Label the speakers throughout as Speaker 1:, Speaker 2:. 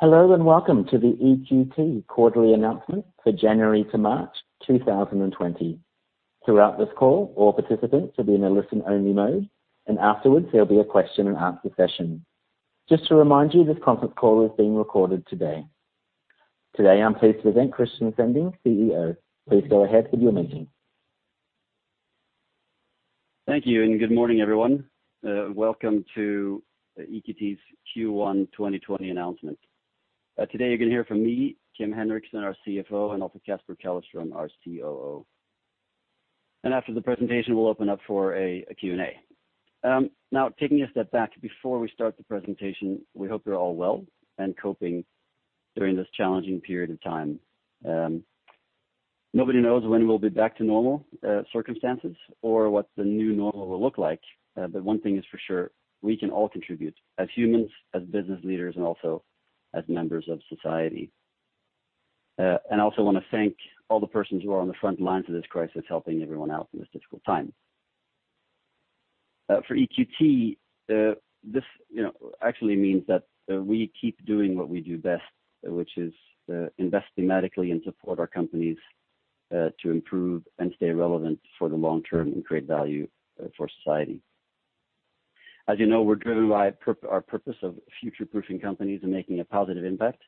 Speaker 1: Hello, and welcome to the EQT quarterly announcement for January to March 2020. Throughout this call, all participants will be in a listen-only mode, and afterwards, there'll be a question and answer session. Just to remind you, this conference call is being recorded today. Today, I'm pleased to present Christian Sinding, CEO. Please go ahead with your meeting.
Speaker 2: Thank you. Good morning, everyone. Welcome to EQT's Q1 2020 announcement. Today, you're going to hear from me, Kim Henriksson, our CFO, and also Caspar Callerström, our COO. After the presentation, we'll open up for a Q&A. Now, taking a step back before we start the presentation, we hope you're all well and coping during this challenging period of time. Nobody knows when we'll be back to normal circumstances or what the new normal will look like. One thing is for sure, we can all contribute as humans, as business leaders, and also as members of society. I also want to thank all the persons who are on the front lines of this crisis, helping everyone out in this difficult time. For EQT, this actually means that we keep doing what we do best, which is investing thematically and support our companies to improve and stay relevant for the long term and create value for society. As you know, we're driven by our purpose of future-proofing companies and making a positive impact.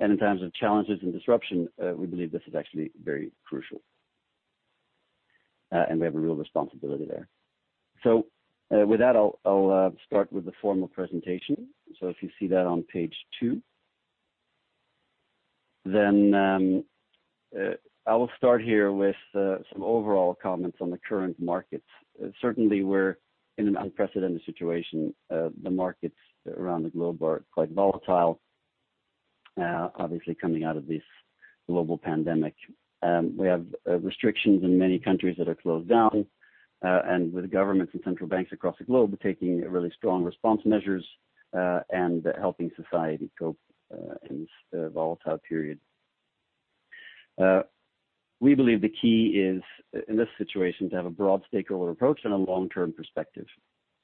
Speaker 2: In times of challenges and disruption, we believe this is actually very crucial, and we have a real responsibility there. With that, I'll start with the formal presentation. If you see that on page two. I will start here with some overall comments on the current markets. Certainly, we're in an unprecedented situation. The markets around the globe are quite volatile, obviously coming out of this global pandemic. We have restrictions in many countries that are closed down, and with governments and central banks across the globe taking really strong response measures, and helping society cope in this volatile period. We believe the key is, in this situation, to have a broad stakeholder approach and a long-term perspective.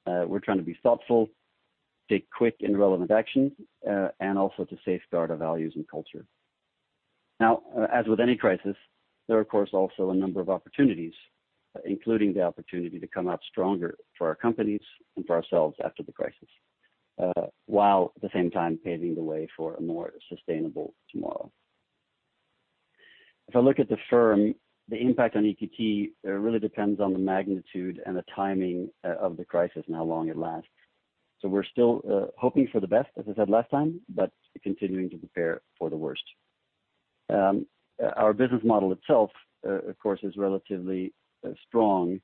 Speaker 2: We're trying to be thoughtful, take quick and relevant action, and also to safeguard our values and culture. Now, as with any crisis, there are, of course, also a number of opportunities, including the opportunity to come out stronger for our companies and for ourselves after the crisis, while at the same time paving the way for a more sustainable tomorrow. If I look at the firm, the impact on EQT really depends on the magnitude and the timing of the crisis and how long it lasts. We're still hoping for the best, as I said last time, but continuing to prepare for the worst. Our business model itself, of course, is relatively strong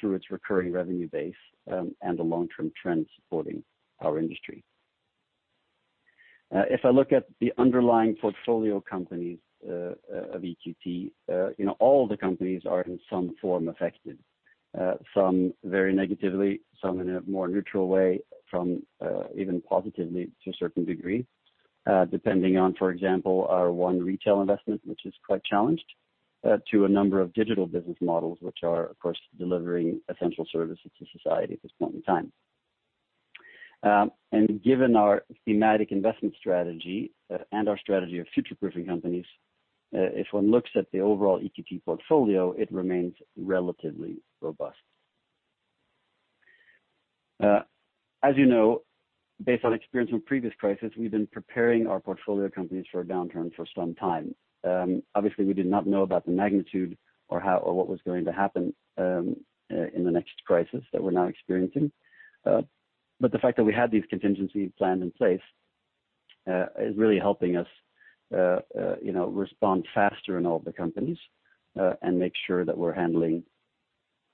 Speaker 2: through its recurring revenue base and the long-term trends supporting our industry. If I look at the underlying portfolio companies of EQT, all the companies are in some form affected. Some very negatively, some in a more neutral way, some even positively to a certain degree, depending on, for example, our one retail investment, which is quite challenged, to a number of digital business models, which are, of course, delivering essential services to society at this point in time. Given our thematic investment strategy and our strategy of future-proofing companies, if one looks at the overall EQT portfolio, it remains relatively robust. As you know, based on experience from previous crises, we've been preparing our portfolio companies for a downturn for some time. Obviously, we did not know about the magnitude or what was going to happen in the next crisis that we're now experiencing. The fact that we had these contingencies planned in place is really helping us respond faster in all of the companies, and make sure that we're handling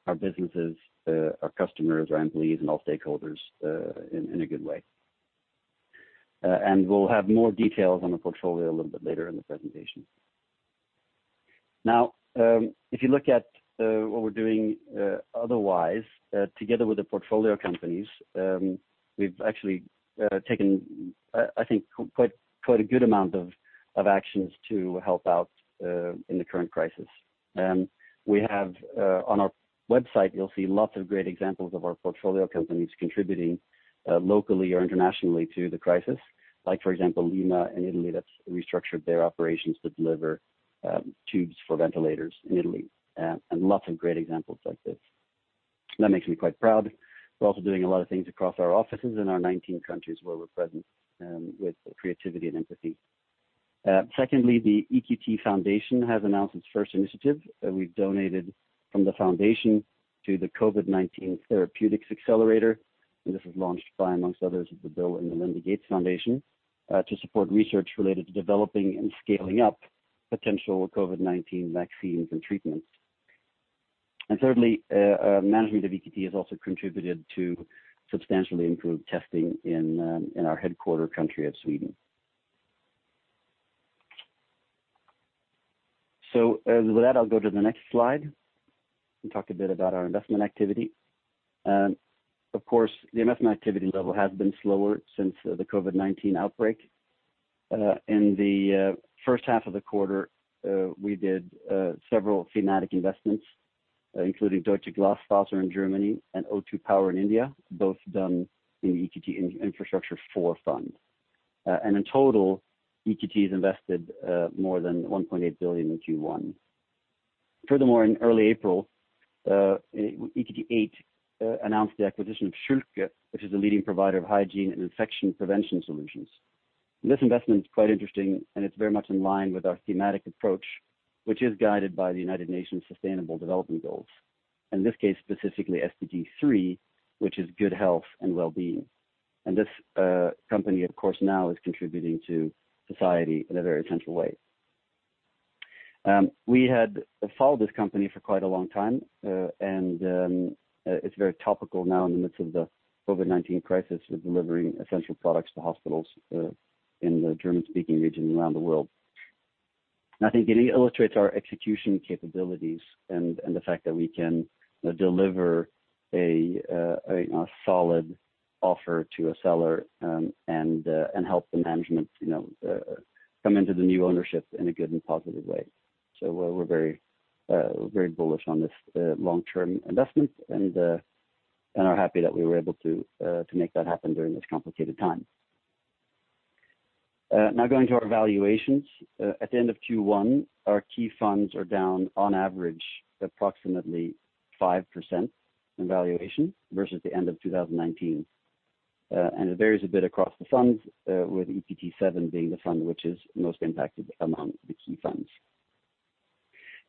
Speaker 2: our businesses, our customers, our employees, and all stakeholders in a good way. We'll have more details on the portfolio a little bit later in the presentation. If you look at what we're doing otherwise, together with the portfolio companies, we've actually taken, I think, quite a good amount of actions to help out in the current crisis. We have on our website, you'll see lots of great examples of our portfolio companies contributing locally or internationally to the crisis. Like for example, Lima in Italy that's restructured their operations to deliver tubes for ventilators in Italy, and lots of great examples like this. That makes me quite proud. We're also doing a lot of things across our offices in our 19 countries where we're present, with creativity and empathy. Secondly, the EQT Foundation has announced its first initiative. We've donated from the foundation to the COVID-19 Therapeutics Accelerator, and this was launched by, amongst others, the Bill & Melinda Gates Foundation, to support research related to developing and scaling up potential COVID-19 vaccines and treatments. Thirdly, management of EQT has also contributed to substantially improved testing in our headquarter country of Sweden. With that, I'll go to the next slide and talk a bit about our investment activity. Of course, the investment activity level has been slower since the COVID-19 outbreak. In the first half of the quarter, we did several thematic investments, including Deutsche Glasfaser in Germany and O2 Power in India, both done in EQT Infrastructure IV fund. In total, EQT has invested more than 1.8 billion in Q1. Furthermore, in early April, EQT VIII announced the acquisition of Schülke, which is a leading provider of hygiene and infection prevention solutions. This investment is quite interesting, and it's very much in line with our thematic approach, which is guided by the United Nations Sustainable Development Goals. In this case, specifically SDG 3, which is good health and wellbeing. This company, of course, now is contributing to society in a very central way. We had followed this company for quite a long time, and it's very topical now in the midst of the COVID-19 crisis with delivering essential products to hospitals in the German-speaking region and around the world. I think it illustrates our execution capabilities and the fact that we can deliver a solid offer to a seller and help the management come into the new ownership in a good and positive way. We're very bullish on this long-term investment and are happy that we were able to make that happen during this complicated time. Going to our valuations. At the end of Q1, our key funds are down on average approximately 5% in valuation versus the end of 2019. It varies a bit across the funds with EQT VII being the fund which is most impacted among the key funds.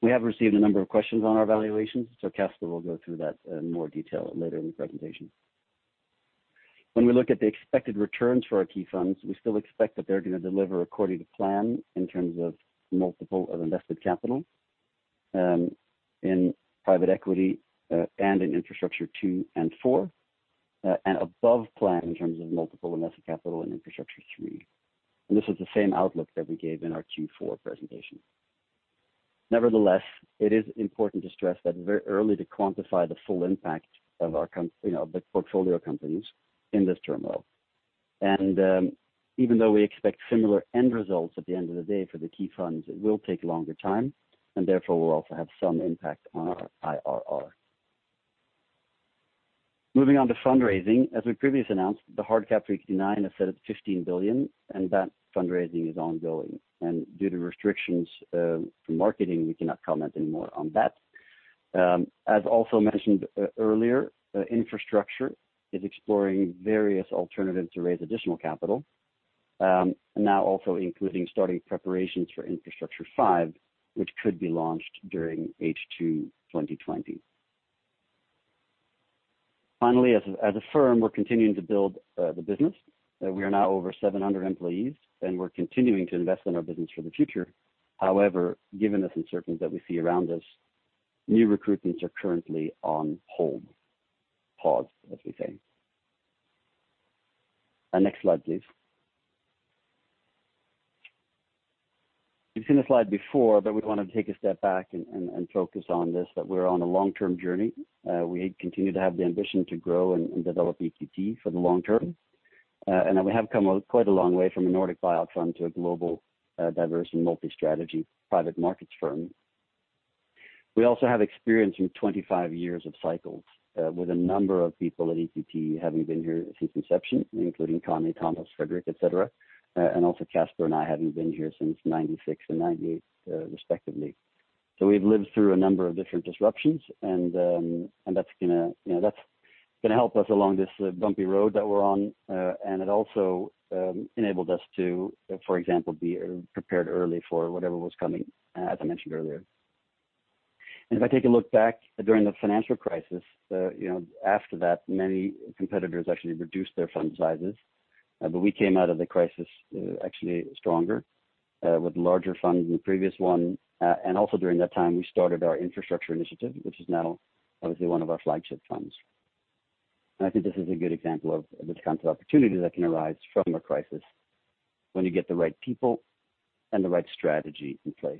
Speaker 2: We have received a number of questions on our valuations, Caspar will go through that in more detail later in the presentation. When we look at the expected returns for our key funds, we still expect that they're going to deliver according to plan in terms of multiple of invested capital in private equity and in Infrastructure II and IV, and above plan in terms of multiple invested capital in Infrastructure III. This is the same outlook that we gave in our Q4 presentation. Nevertheless, it is important to stress that it's very early to quantify the full impact of the portfolio companies in this turmoil. Even though we expect similar end results at the end of the day for the key funds, it will take a longer time and therefore will also have some impact on our IRR. Moving on to fundraising. As we previously announced, the hard cap for EQT IX is set at $15 billion and that fundraising is ongoing. Due to restrictions from marketing, we cannot comment any more on that. As also mentioned earlier, Infrastructure is exploring various alternatives to raise additional capital, now also including starting preparations for Infrastructure V, which could be launched during H2 2020. Finally, as a firm, we're continuing to build the business. We are now over 700 employees and we're continuing to invest in our business for the future. However, given the uncertainty that we see around us, new recruitments are currently on hold. Pause, as we say. Next slide, please. You've seen this slide before, but we want to take a step back and focus on this, that we're on a long-term journey. We continue to have the ambition to grow and develop EQT for the long term. We have come quite a long way from a Nordic buyout fund to a global, diverse and multi-strategy private markets firm. We also have experience in 25 years of cycles with a number of people at EQT having been here since inception, including Conni, Thomas, Fredrik, et cetera, and also Caspar and I having been here since 1996 and 1998 respectively. We've lived through a number of different disruptions and that's going to help us along this bumpy road that we're on. It also enabled us to, for example, be prepared early for whatever was coming, as I mentioned earlier. If I take a look back during the financial crisis, after that, many competitors actually reduced their fund sizes. We came out of the crisis actually stronger with larger funds than previous one. Also during that time, we started our infrastructure initiative, which is now obviously one of our flagship funds. I think this is a good example of the kinds of opportunities that can arise from a crisis when you get the right people and the right strategy in place.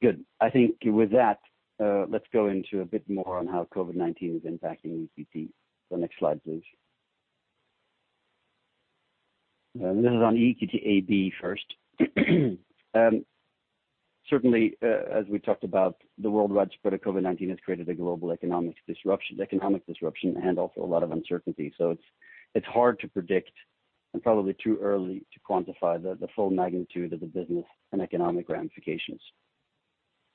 Speaker 2: Good. I think with that, let's go into a bit more on how COVID-19 is impacting EQT. Next slide, please. This is on EQT AB first. Certainly, as we talked about, the worldwide spread of COVID-19 has created a global economic disruption and also a lot of uncertainty. It's hard to predict and probably too early to quantify the full magnitude of the business and economic ramifications.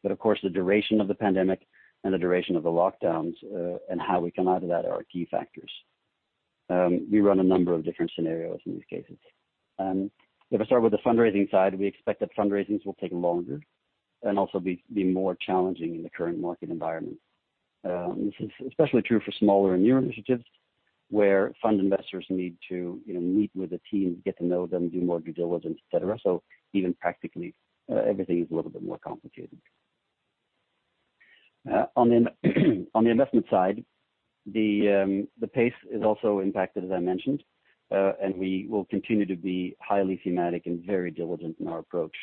Speaker 2: Of course, the duration of the pandemic and the duration of the lockdowns and how we come out of that are key factors. We run a number of different scenarios in these cases. We expect that fundraisings will take longer and also be more challenging in the current market environment. This is especially true for smaller and newer initiatives where fund investors need to meet with the team, get to know them, do more due diligence, et cetera. Even practically, everything is a little bit more complicated. On the investment side, the pace is also impacted, as I mentioned. We will continue to be highly thematic and very diligent in our approach.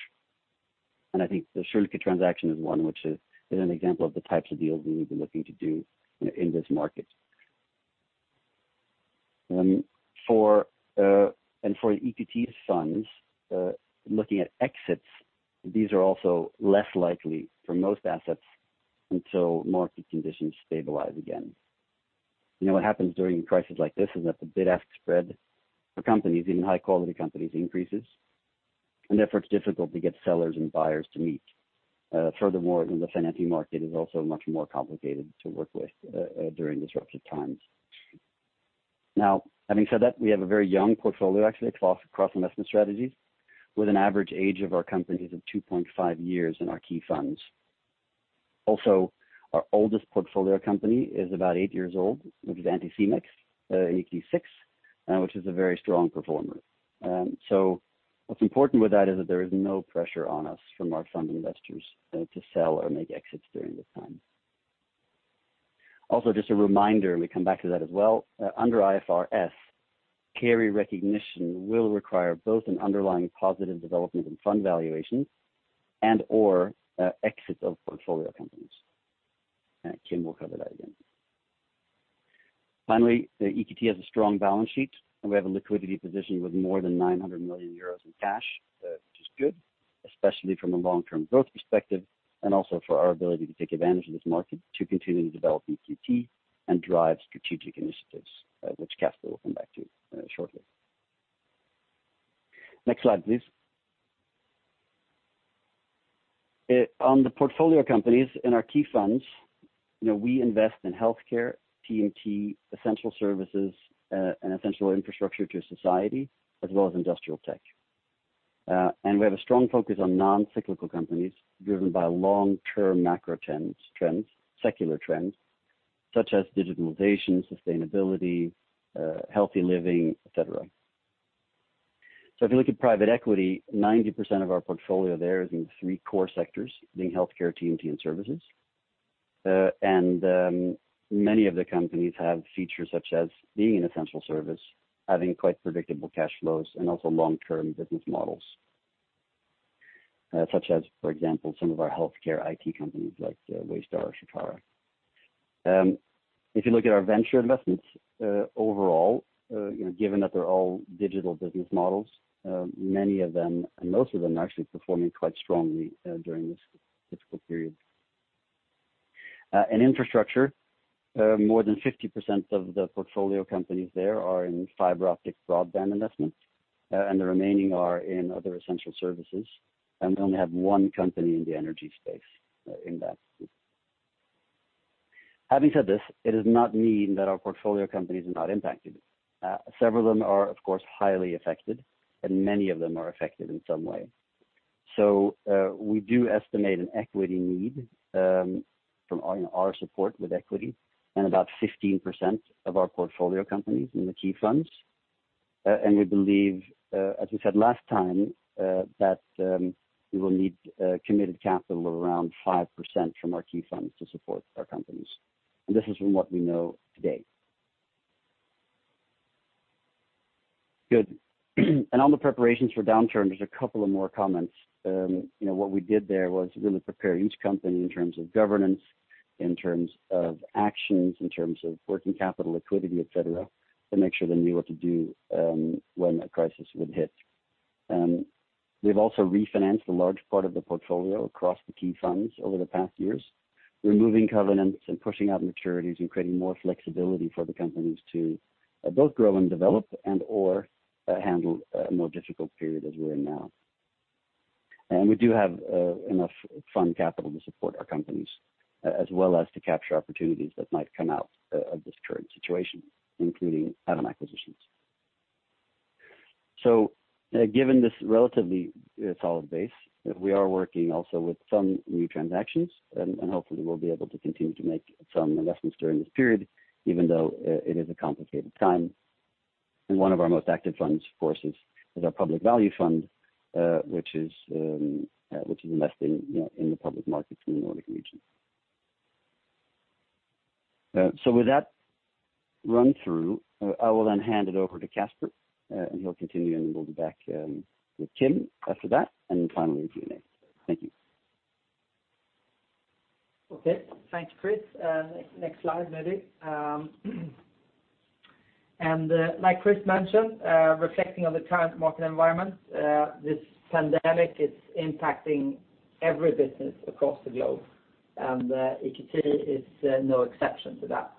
Speaker 2: I think the Schülke transaction is one which is an example of the types of deals we will be looking to do in this market. For EQT's funds, looking at exits, these are also less likely for most assets until market conditions stabilize again. You know what happens during a crisis like this is that the bid-ask spread for companies, even high-quality companies, increases. Therefore it's difficult to get sellers and buyers to meet. Furthermore, the financing market is also much more complicated to work with during disruptive times. Having said that, we have a very young portfolio, actually, across investment strategies, with an average age of our companies of 2.5 years in our key funds. Our oldest portfolio company is about eight years old, which is Anticimex, EQT VI, which is a very strong performer. What's important with that is that there is no pressure on us from our fund investors to sell or make exits during this time. Just a reminder, and we come back to that as well, under IFRS, carry recognition will require both an underlying positive development in fund valuation and/or exits of portfolio companies. Kim will cover that again. EQT has a strong balance sheet, and we have a liquidity position with more than 900 million euros in cash, which is good, especially from a long-term growth perspective and also for our ability to take advantage of this market to continue to develop EQT and drive strategic initiatives, which Caspar will come back to shortly. Next slide, please. On the portfolio companies in our key funds, we invest in healthcare, TMT, essential services, and essential infrastructure to society, as well as industrial tech. We have a strong focus on non-cyclical companies driven by long-term macro trends, secular trends such as digitalization, sustainability, healthy living, et cetera. If you look at private equity, 90% of our portfolio there is in three core sectors, being healthcare, TMT, and services. Many of the companies have features such as being an essential service, having quite predictable cash flows, and also long-term business models. Such as, for example, some of our healthcare IT companies like Waystar or Certara. If you look at our venture investments overall, given that they're all digital business models, many of them, and most of them actually, are performing quite strongly during this difficult period. In infrastructure, more than 50% of the portfolio companies there are in fiber optic broadband investments, and the remaining are in other essential services, and we only have one company in the energy space in that. Having said this, it does not mean that our portfolio companies are not impacted. Several of them are, of course, highly affected, and many of them are affected in some way. We do estimate an equity need from our support with equity in about 15% of our portfolio companies in the key funds. We believe, as we said last time, that we will need committed capital of around 5% from our key funds to support our companies. This is from what we know today. Good. On the preparations for downturn, there's a couple of more comments. What we did there was really prepare each company in terms of governance, in terms of actions, in terms of working capital liquidity, et cetera, to make sure they knew what to do when a crisis would hit. We've also refinanced a large part of the portfolio across the key funds over the past years, removing covenants and pushing out maturities and creating more flexibility for the companies to both grow and develop and/or handle a more difficult period as we're in now. We do have enough fund capital to support our companies as well as to capture opportunities that might come out of this current situation, including add-on acquisitions. Given this relatively solid base, we are working also with some new transactions, and hopefully we'll be able to continue to make some investments during this period, even though it is a complicated time, and one of our most active funds, of course, is our public value fund, which is invested in the public markets in the Nordic region. With that run through, I will then hand it over to Caspar, and he'll continue, and we'll be back with Kim after that, and then finally the Q&A. Thank you.
Speaker 3: Okay. Thanks, Chris. Next slide, maybe. Like Chris mentioned, reflecting on the current market environment, this pandemic is impacting every business across the globe, and EQT is no exception to that.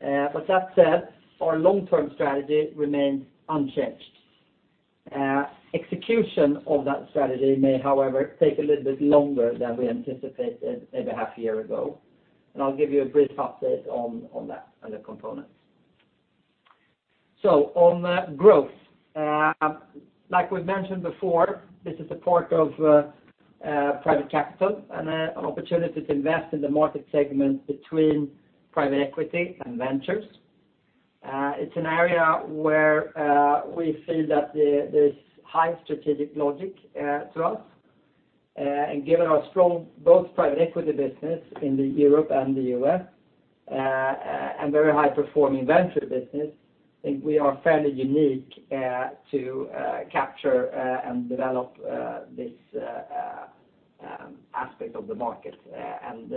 Speaker 3: That said, our long-term strategy remains unchanged. Execution of that strategy may, however, take a little bit longer than we anticipated a half year ago. I'll give you a brief update on that and the components. On growth, like we've mentioned before, this is a part of private capital and an opportunity to invest in the market segment between private equity and ventures. It's an area where we feel that there's high strategic logic to us. Given our strong both private equity business in Europe and the U.S. and very high-performing venture business, I think we are fairly unique to capture and develop this aspect of the market, and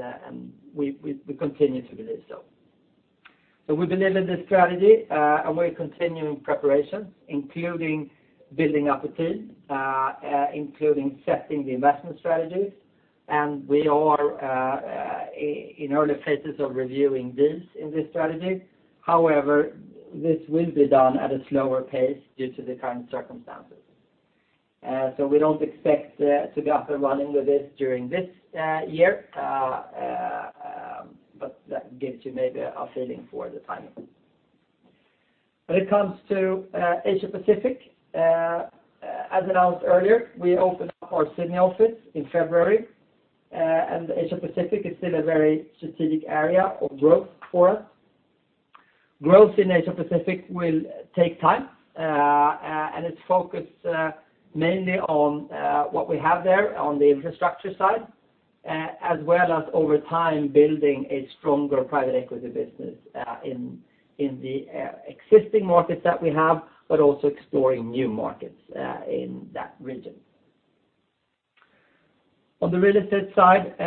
Speaker 3: we continue to believe so. We believe in this strategy, and we're continuing preparations, including building up a team, including setting the investment strategies, and we are in early phases of reviewing this in this strategy. However, this will be done at a slower pace due to the current circumstances. We don't expect to get up and running with this during this year, but that gives you maybe a feeling for the timing. When it comes to Asia-Pacific, as announced earlier, we opened up our Sydney office in February, and the Asia-Pacific is still a very strategic area of growth for us. Growth in Asia-Pacific will take time, and it's focused mainly on what we have there on the infrastructure side, as well as over time building a stronger private equity business in the existing markets that we have, but also exploring new markets in that region. On the real estate side,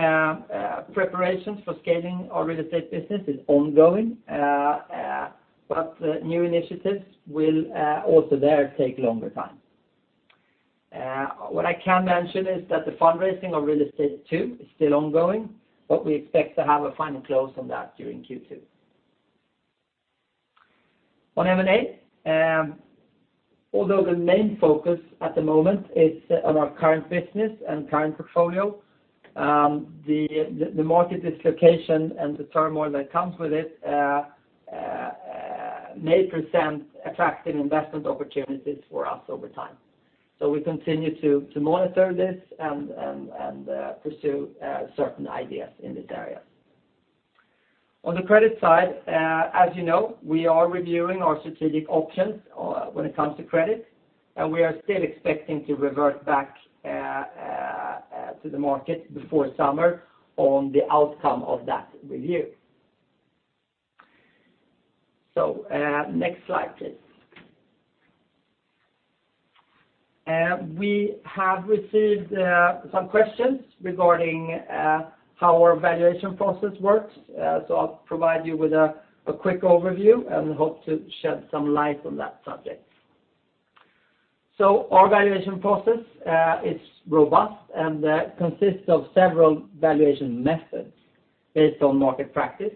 Speaker 3: preparations for scaling our real estate business is ongoing, but new initiatives will also there take longer time. What I can mention is that the fundraising of real estate two is still ongoing, but we expect to have a final close on that during Q2. On M&A, although the main focus at the moment is on our current business and current portfolio, the market dislocation and the turmoil that comes with it may present attractive investment opportunities for us over time. We continue to monitor this and pursue certain ideas in this area. On the credit side, as you know, we are reviewing our strategic options when it comes to credit, and we are still expecting to revert back to the market before summer on the outcome of that review. Next slide, please. We have received some questions regarding how our valuation process works. I'll provide you with a quick overview and hope to shed some light on that subject. Our valuation process is robust and consists of several valuation methods based on market practice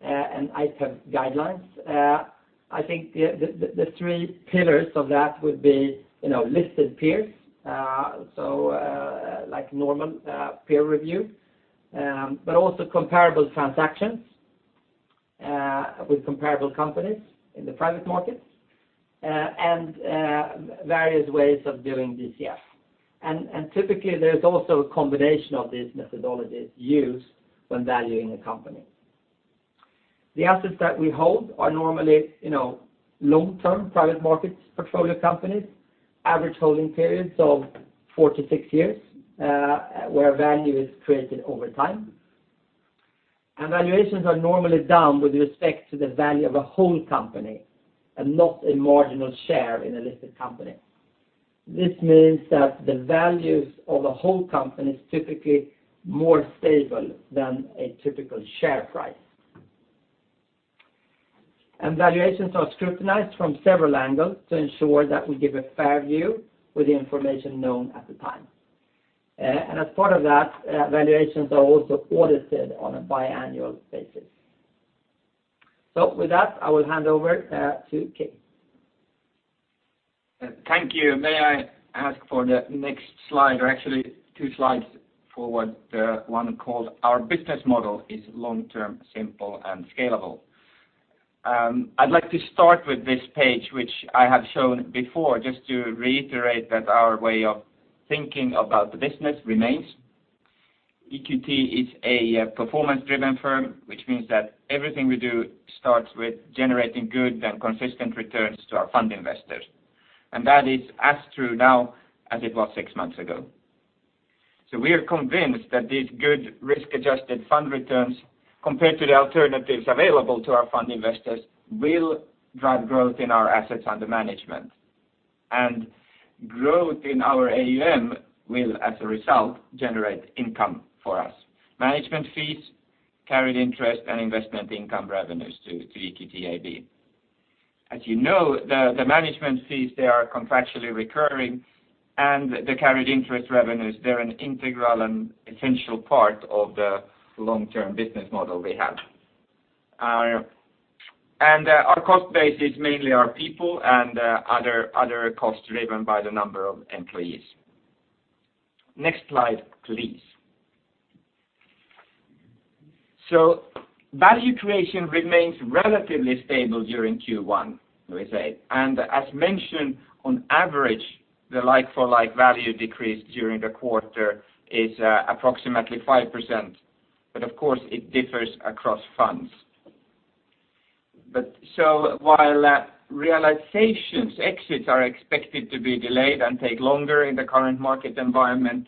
Speaker 3: and IPEV guidelines. I think the three pillars of that would be listed peers, so like normal peer review, but also comparable transactions with comparable companies in the private market and various ways of doing DCF. Typically, there's also a combination of these methodologies used when valuing a company. The assets that we hold are normally long-term private markets portfolio companies, average holding periods of four to six years, where value is created over time. Valuations are normally done with respect to the value of a whole company and not a marginal share in a listed company. This means that the values of a whole company is typically more stable than a typical share price. Valuations are scrutinized from several angles to ensure that we give a fair view with the information known at the time. As part of that, valuations are also audited on a biannual basis. With that, I will hand over to Kim.
Speaker 4: Thank you. May I ask for the next slide, or actually two slides forward, one called Our Business Model is Long-Term, Simple and Scalable. I'd like to start with this page, which I have shown before, just to reiterate that our way of thinking about the business remains. EQT is a performance-driven firm, which means that everything we do starts with generating good and consistent returns to our fund investors. That is as true now as it was six months ago. We are convinced that these good risk-adjusted fund returns, compared to the alternatives available to our fund investors, will drive growth in our assets under management. Growth in our AUM will, as a result, generate income for us. Management fees, carried interest, and investment income revenues to EQT AB. As you know, the management fees, they are contractually recurring, and the carried interest revenues, they're an integral and essential part of the long-term business model we have. Our cost base is mainly our people and other costs driven by the number of employees. Next slide, please. Value creation remains relatively stable during Q1, we say. As mentioned, on average, the like-for-like value decrease during the quarter is approximately 5%, but of course, it differs across funds. While realizations exits are expected to be delayed and take longer in the current market environment,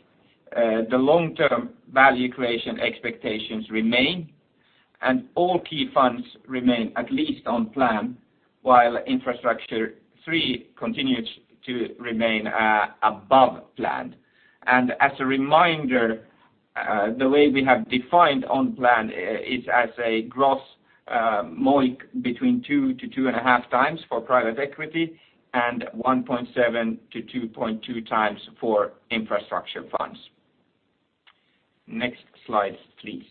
Speaker 4: the long-term value creation expectations remain, and all key funds remain at least on plan, while Infrastructure III continues to remain above plan. As a reminder, the way we have defined on plan is as a gross MOIC between 2x2.5x for private equity and 1.7x-2.2x for infrastructure funds. Next slide, please.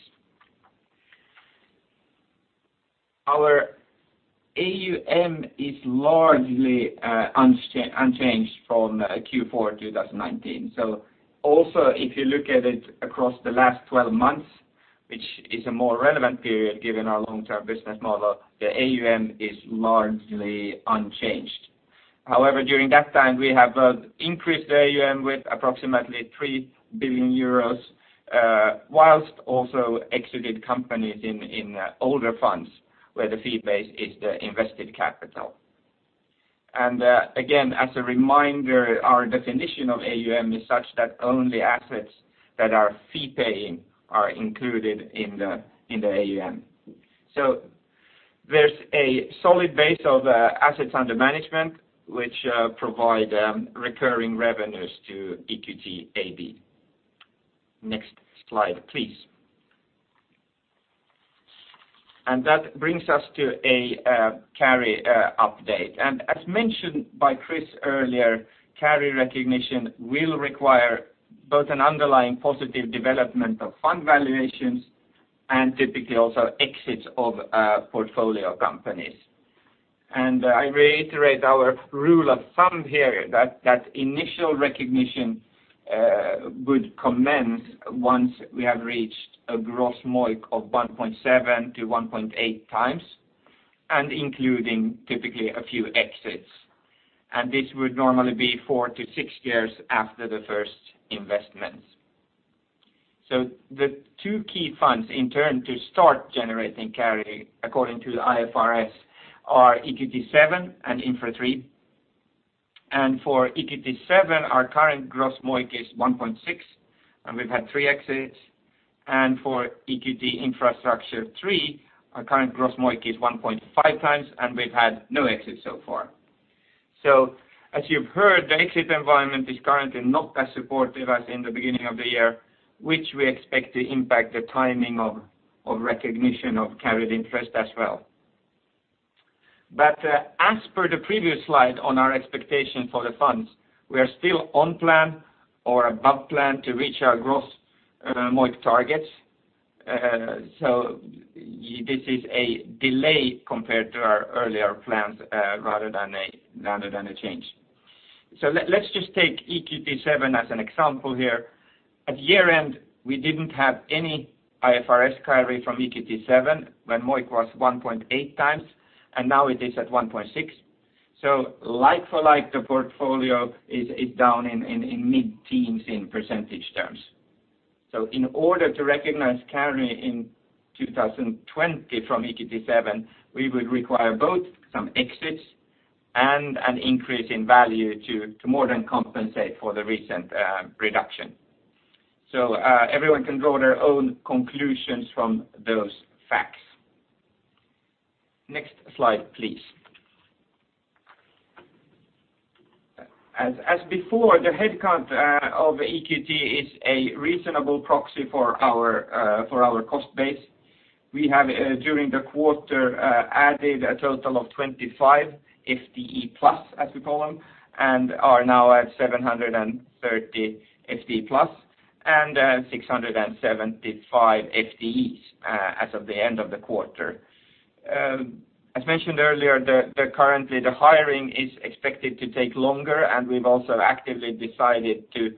Speaker 4: Our AUM is largely unchanged from Q4 2019. Also if you look at it across the last 12 months, which is a more relevant period, given our long-term business model, the AUM is largely unchanged. However, during that time, we have increased the AUM with approximately 3 billion euros, whilst also exited companies in older funds where the fee base is the invested capital. Again, as a reminder, our definition of AUM is such that only assets that are fee-paying are included in the AUM. There's a solid base of assets under management which provide recurring revenues to EQT AB. Next slide, please. That brings us to a carry update. As mentioned by Chris earlier, carry recognition will require both an underlying positive development of fund valuations and typically also exits of portfolio companies. I reiterate our rule of thumb here that initial recognition would commence once we have reached a gross MOIC of 1.7x-1.8x and including typically a few exits. This would normally be four to six years after the first investments. The two key funds in turn to start generating carry according to the IFRS are EQT VII and Infra III. For EQT VII, our current gross MOIC is 1.6x, and we've had three exits. For EQT Infrastructure III, our current gross MOIC is 1.5x, and we've had no exits so far. As you've heard, the exit environment is currently not as supportive as in the beginning of the year, which we expect to impact the timing of recognition of carried interest as well. As per the previous slide on our expectation for the funds, we are still on plan or above plan to reach our gross MOIC targets. This is a delay compared to our earlier plans rather than a change. Let's just take EQT VII as an example here. At year-end, we didn't have any IFRS carry from EQT VII when MOIC was 1.8x, and now it is at 1.6x. Like for like, the portfolio is down in mid-teens in percentage terms. In order to recognize carry in 2020 from EQT VII, we would require both some exits and an increase in value to more than compensate for the recent reduction. Everyone can draw their own conclusions from those facts. Next slide, please. As before, the headcount of EQT is a reasonable proxy for our cost base. We have, during the quarter, added a total of 25 FTE-plus, as we call them, and are now at 730 FTE-plus and 675 FTEs as of the end of the quarter. As mentioned earlier, currently the hiring is expected to take longer, and we've also actively decided to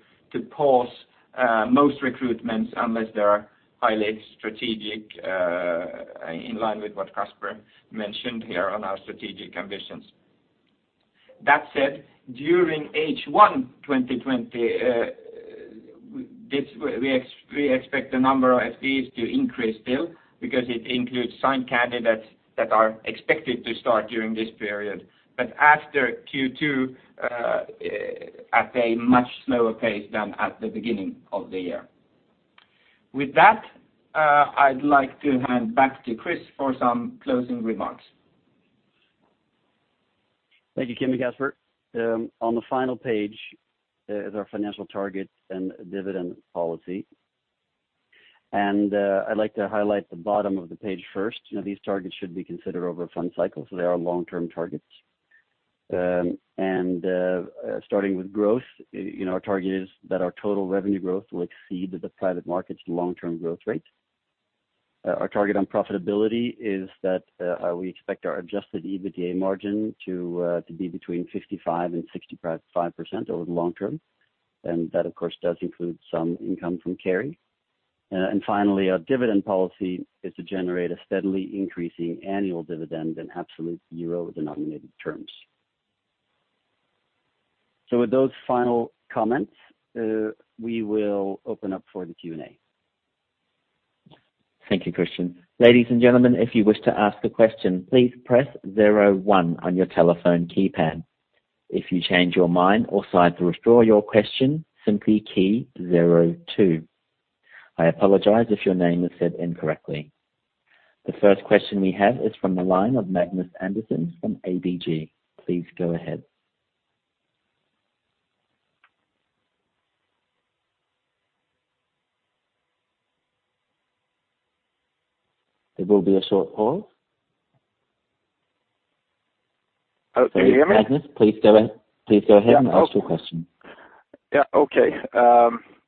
Speaker 4: pause most recruitments unless they are highly strategic, in line with what Caspar mentioned here on our strategic ambitions. That said, during H1 2020, we expect the number of FTEs to increase still because it includes signed candidates that are expected to start during this period. After Q2 at a much slower pace than at the beginning of the year. With that, I'd like to hand back to Chris for some closing remarks.
Speaker 2: Thank you, Kim and Caspar. On the final page is our financial targets and dividend policy. I'd like to highlight the bottom of the page first. These targets should be considered over a fund cycle, so they are long-term targets. Starting with growth, our target is that our total revenue growth will exceed the private market's long-term growth rate. Our target on profitability is that we expect our adjusted EBITDA margin to be between 55% and 65% over the long term. That, of course, does include some income from carry. Finally, our dividend policy is to generate a steadily increasing annual dividend in absolute EUR-denominated terms. With those final comments, we will open up for the Q&A.
Speaker 1: Thank you, Christian. Ladies and gentlemen, if you wish to ask a question, please press 01 on your telephone keypad. If you change your mind or decide to withdraw your question, simply key 02. I apologize if your name is said incorrectly. The first question we have is from the line of Magnus Andersson from ABG Sundal Collier. Please go ahead. There will be a short pause.
Speaker 5: Can you hear me?
Speaker 1: Magnus, please go ahead and ask your question.
Speaker 5: Okay.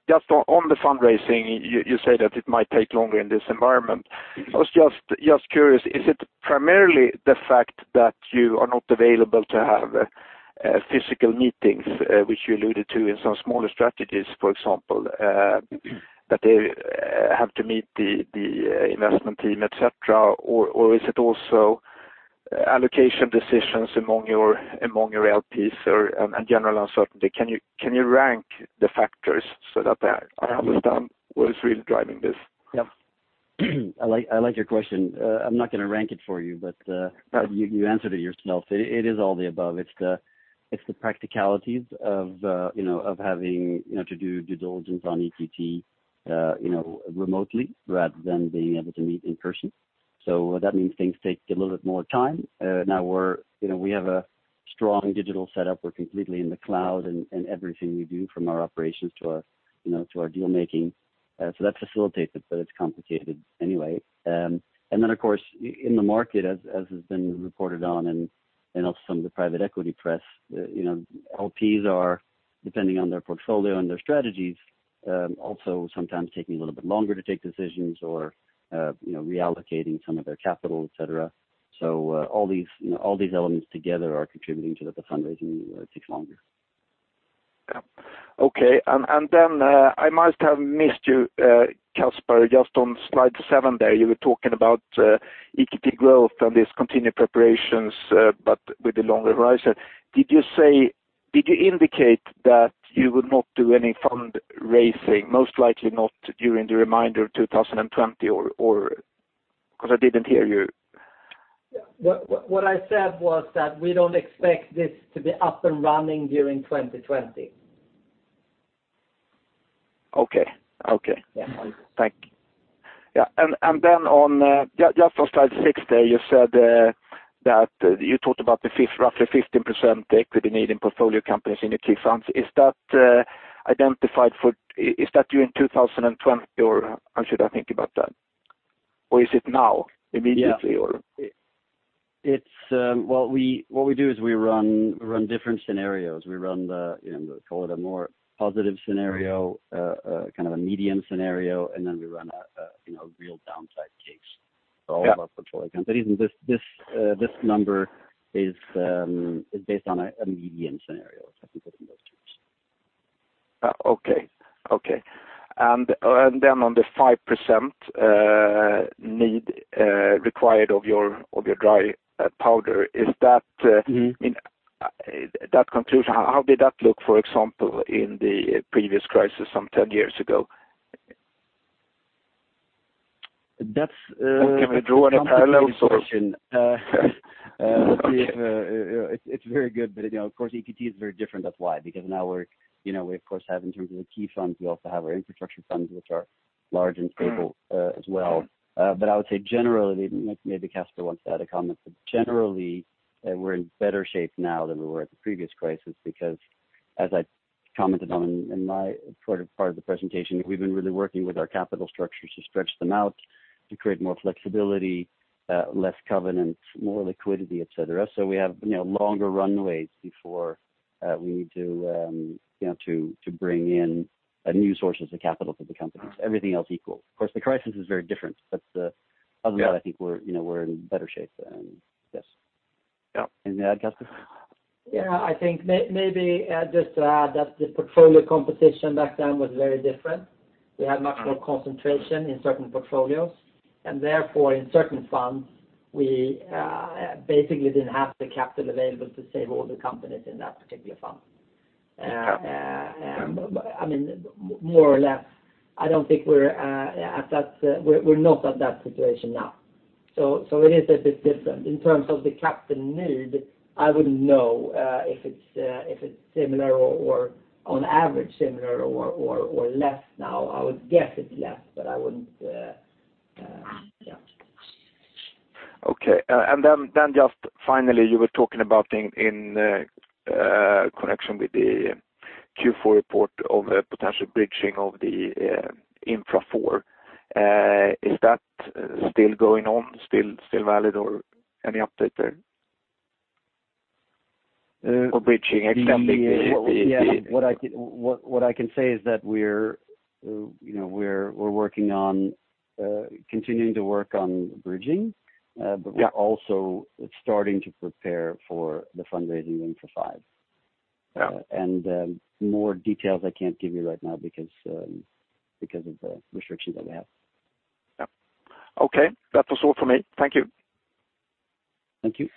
Speaker 5: Just on the fundraising, you say that it might take longer in this environment. I was just curious, is it primarily the fact that you are not available to have physical meetings, which you alluded to in some smaller strategies, for example, that they have to meet the investment team, et cetera? Or is it also allocation decisions among your LPs and general uncertainty? Can you rank the factors so that I understand what is really driving this?
Speaker 2: Yep. I like your question. I'm not going to rank it for you, but you answered it yourself. It is all the above. It's the practicalities of having to do due diligence on EQT remotely rather than being able to meet in person. That means things take a little bit more time. Now we have a strong digital setup. We're completely in the cloud, and everything we do, from our operations to our deal making. That facilitates it, but it's complicated anyway. Of course, in the market as has been reported on and also some of the private equity press, LPs are depending on their portfolio and their strategies, also sometimes taking a little bit longer to take decisions or reallocating some of their capital, et cetera. All these elements together are contributing to the fundraising takes longer.
Speaker 5: Okay. I must have missed you, Caspar, just on slide seven there, you were talking about EQT Growth and these continued preparations, but with the longer horizon. Did you indicate that you would not do any fundraising, most likely not during the remainder of 2020 or because I didn't hear you?
Speaker 3: What I said was that we don't expect this to be up and running during 2020.
Speaker 5: Okay. Thank you. Yeah. Just on slide six there, you talked about the roughly 15% equity need in portfolio companies in the key funds. Is that during 2020, or how should I think about that? Is it now, immediately, or?
Speaker 2: What we do is we run different scenarios. We run, call it a more positive scenario, a kind of a medium scenario, then we run a real downside case for all of our portfolio companies. This number is based on a medium scenario, if I can put it in those terms.
Speaker 5: Okay. On the 5% need required of your dry powder, that conclusion, how did that look, for example, in the previous crisis some 10-years ago?
Speaker 2: That's-
Speaker 5: Can we draw any parallels, or?
Speaker 2: It's very good, but of course EQT is very different, that's why, because now we of course have, in terms of the key funds, we also have our infrastructure funds which are large and stable as well. I would say generally, maybe Caspar wants to add a comment, but generally, we're in better shape now than we were at the previous crisis because as I commented on in my part of the presentation, we've been really working with our capital structures to stretch them out, to create more flexibility, less covenants, more liquidity, et cetera. We have longer runaways before we need to bring in new sources of capital for the companies, everything else equal. Of course, the crisis is very different, but other than that, I think we're in better shape than this.
Speaker 5: Yeah.
Speaker 2: Anything to add, Caspar?
Speaker 3: Yeah, I think maybe just to add that the portfolio composition back then was very different. We had much more concentration in certain portfolios, and therefore in certain funds, we basically didn't have the capital available to save all the companies in that particular fund.
Speaker 5: Okay.
Speaker 3: More or less, we're not at that situation now. It is a bit different. In terms of the capital need, I wouldn't know if it's similar or on average similar or less now. I would guess it's less.
Speaker 5: Okay. Just finally, you were talking about in connection with the Q4 report of a potential bridging of the EQT Infrastructure IV. Is that still going on, still valid, or any update there?
Speaker 2: What I can say is that we're continuing to work on bridging.
Speaker 5: Yeah
Speaker 2: We're also starting to prepare for the fundraising Infra V.
Speaker 5: Yeah.
Speaker 2: More details I can't give you right now because of the restrictions that we have.
Speaker 5: Yeah. Okay. That was all for me. Thank you.
Speaker 2: Thank you.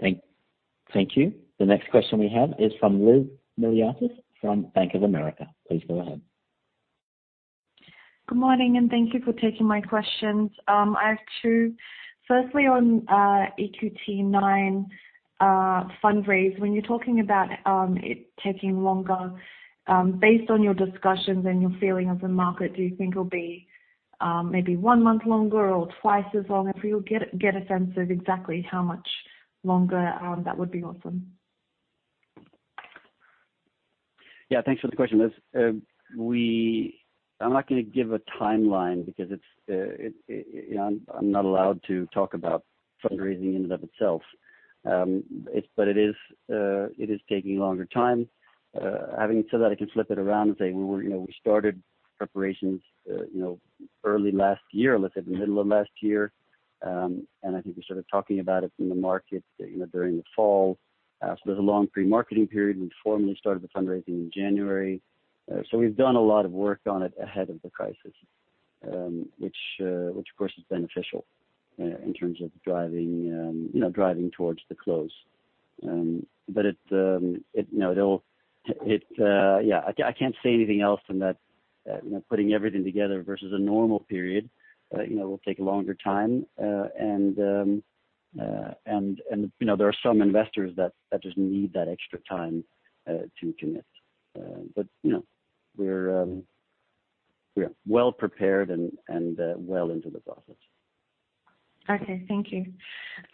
Speaker 1: Thank you. The next question we have is from Liz Miliotis from Bank of America. Please go ahead.
Speaker 6: Good morning. Thank you for taking my questions. I have two. Firstly, on EQT IX fundraise, when you're talking about it taking longer based on your discussions and your feeling of the market, do you think it'll be maybe one month longer or twice as long? If you get a sense of exactly how much longer, that would be awesome.
Speaker 2: Yeah, thanks for the question, Liz. I'm not going to give a timeline because I'm not allowed to talk about fundraising in and of itself. It is taking a longer time. Having said that, I can flip it around and say we started preparations early last year, let's say the middle of last year, and I think we started talking about it in the market during the fall. There's a long pre-marketing period. We formally started the fundraising in January. We've done a lot of work on it ahead of the crisis, which of course is beneficial in terms of driving towards the close. I can't say anything else than that putting everything together versus a normal period will take a longer time. There are some investors that just need that extra time to commit. We're well prepared and well into the process.
Speaker 6: Okay. Thank you.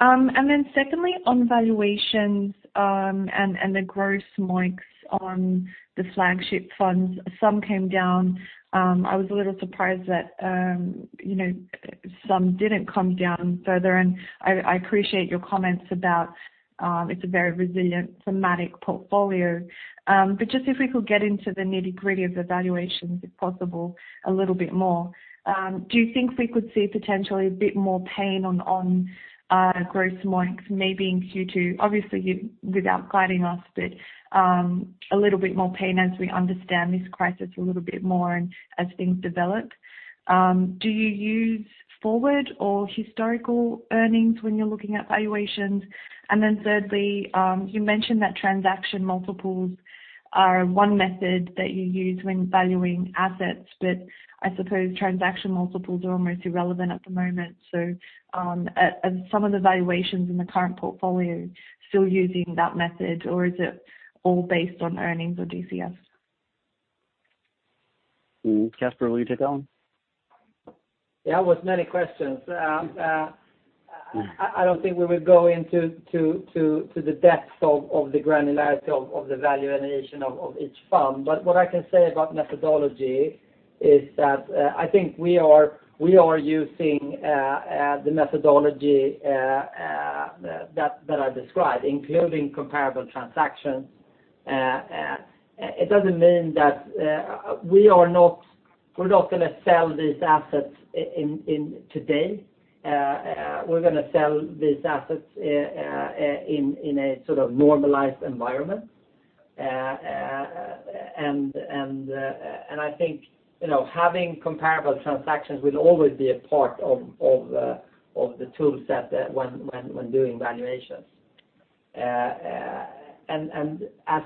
Speaker 6: Secondly, on valuations and the gross MOICs on the flagship funds, some came down. I was a little surprised that some didn't come down further, and I appreciate your comments about it's a very resilient thematic portfolio. Just if we could get into the nitty-gritty of the valuations, if possible, a little bit more. Do you think we could see potentially a bit more pain on gross MOICs, maybe in Q2? Obviously, without guiding us, but a little bit more pain as we understand this crisis a little bit more and as things develop. Do you use forward or historical earnings when you're looking at valuations? Thirdly, you mentioned that transaction multiples are one method that you use when valuing assets, but I suppose transaction multiples are almost irrelevant at the moment. Are some of the valuations in the current portfolio still using that method, or is it all based on earnings or DCF?
Speaker 2: Caspar, will you take that one?
Speaker 3: Yeah, it was many questions. I don't think we will go into the depths of the granularity of the valuation of each fund. What I can say about methodology is that I think we are using the methodology that I described, including comparable transactions. It doesn't mean that we're not going to sell these assets today. We're going to sell these assets in a sort of normalized environment. I think having comparable transactions will always be a part of the tool set when doing valuations. As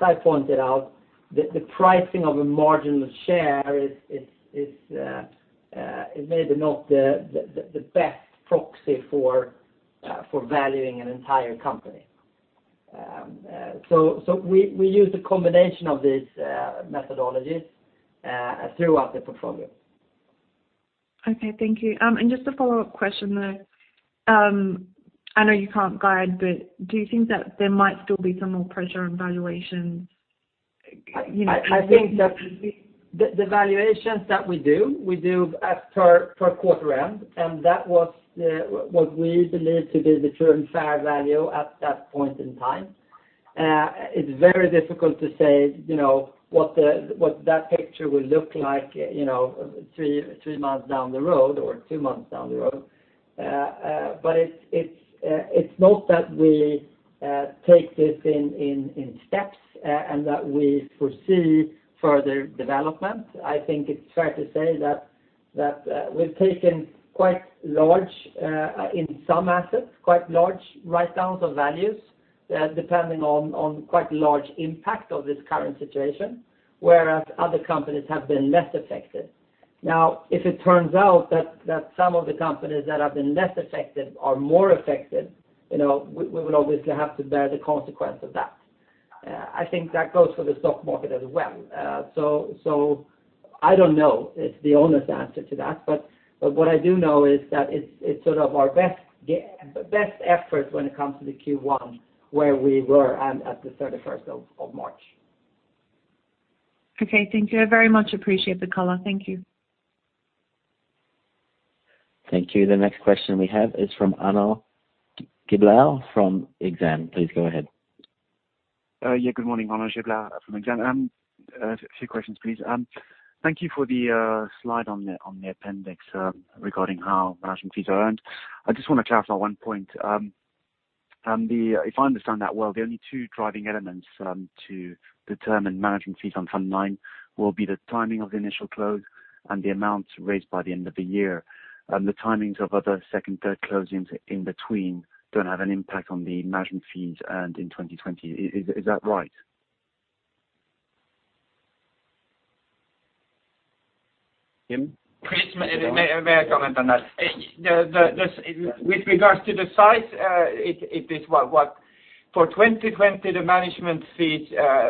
Speaker 3: I pointed out, the pricing of a marginal share is maybe not the best proxy for valuing an entire company. We use a combination of these methodologies throughout the portfolio.
Speaker 6: Okay. Thank you. Just a follow-up question there. I know you can't guide, but do you think that there might still be some more pressure on valuations?
Speaker 3: I think that the valuations that we do, we do at per quarter end, and that was what we believe to be the true and fair value at that point in time. It's very difficult to say what that picture will look like three months down the road or two months down the road. It's not that we take this in steps and that we foresee further development. I think it's fair to say that we've taken quite large in some assets, quite large write-downs of values, depending on quite large impact of this current situation, whereas other companies have been less affected. If it turns out that some of the companies that have been less affected are more affected, we will obviously have to bear the consequence of that. I think that goes for the stock market as well. I don't know. It's the honest answer to that. What I do know is that it's sort of our best effort when it comes to the Q1 where we were at the 31st of March.
Speaker 6: Okay. Thank you. I very much appreciate the color. Thank you.
Speaker 1: Thank you. The next question we have is from Arnaud Giblat from Exane. Please go ahead.
Speaker 7: Yeah, good morning. Arnaud Giblat from Exane. A few questions, please. Thank you for the slide on the appendix regarding how management fees are earned. I just want to clarify one point. If I understand that well, the only two driving elements to determine management fees on Fund Nine will be the timing of the initial close and the amount raised by the end of the year. The timings of other second, third closings in between don't have an impact on the management fees earned in 2020. Is that right?
Speaker 4: Chris, may I comment on that? With regards to the size, for 2020, the management fee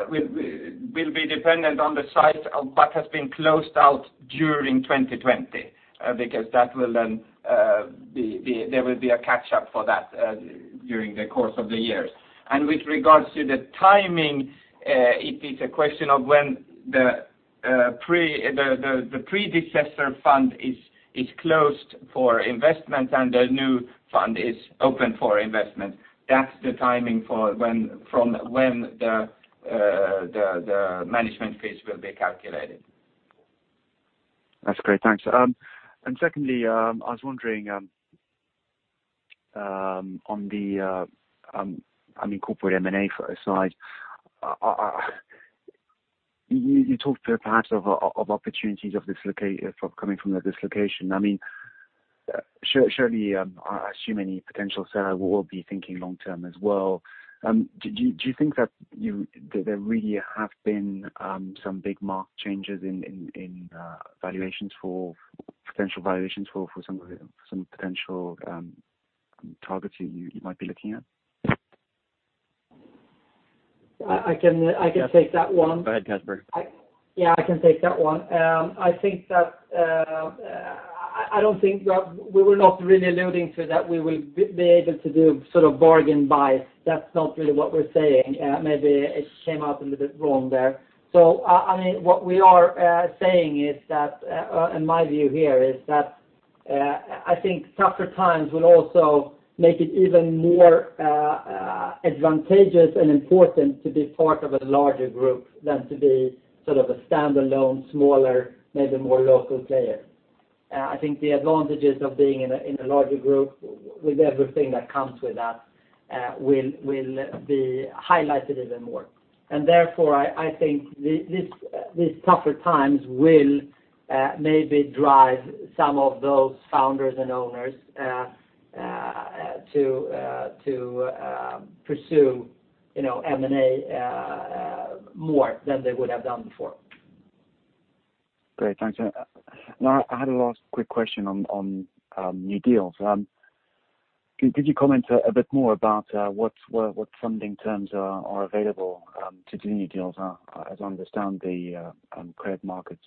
Speaker 4: will be dependent on the size but has been closed out during 2020, because there will be a catch-up for that during the course of the year. With regards to the timing, it is a question of when the predecessor fund is closed for investment and the new fund is open for investment. That's the timing from when the management fees will be calculated.
Speaker 7: That's great. Thanks. Secondly, I was wondering on the corporate M&A side, you talked perhaps of opportunities coming from the dislocation. Surely, I assume any potential seller will be thinking long term as well. Do you think that there really have been some big mark changes in potential valuations for some potential targets that you might be looking at?
Speaker 3: I can take that one.
Speaker 2: Go ahead, Caspar.
Speaker 3: Yeah, I can take that one. We were not really alluding to that we will be able to do sort of bargain buys. That's not really what we're saying. Maybe it came out a little bit wrong there. What we are saying is that, in my view here, is that I think tougher times will also make it even more advantageous and important to be part of a larger group than to be sort of a standalone, smaller, maybe more local player. I think the advantages of being in a larger group with everything that comes with that will be highlighted even more. Therefore, I think these tougher times will maybe drive some of those founders and owners to pursue M&A more than they would have done before.
Speaker 7: Great. Thanks. I had a last quick question on new deals. Could you comment a bit more about what funding terms are available to do new deals? As I understand, the credit market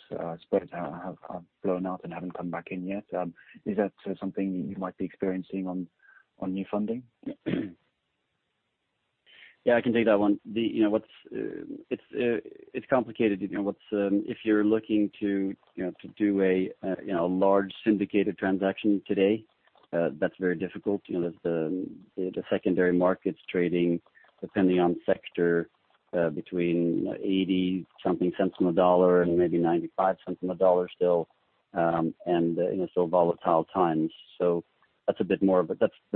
Speaker 7: spreads have blown out and haven't come back in yet. Is that something you might be experiencing on new funding?
Speaker 2: Yeah, I can take that one. It's complicated. If you're looking to do a large syndicated transaction today, that's very difficult. The secondary market's trading, depending on sector, between 0.80 something on the dollar and maybe 0.95 on the dollar still, and still volatile times. That's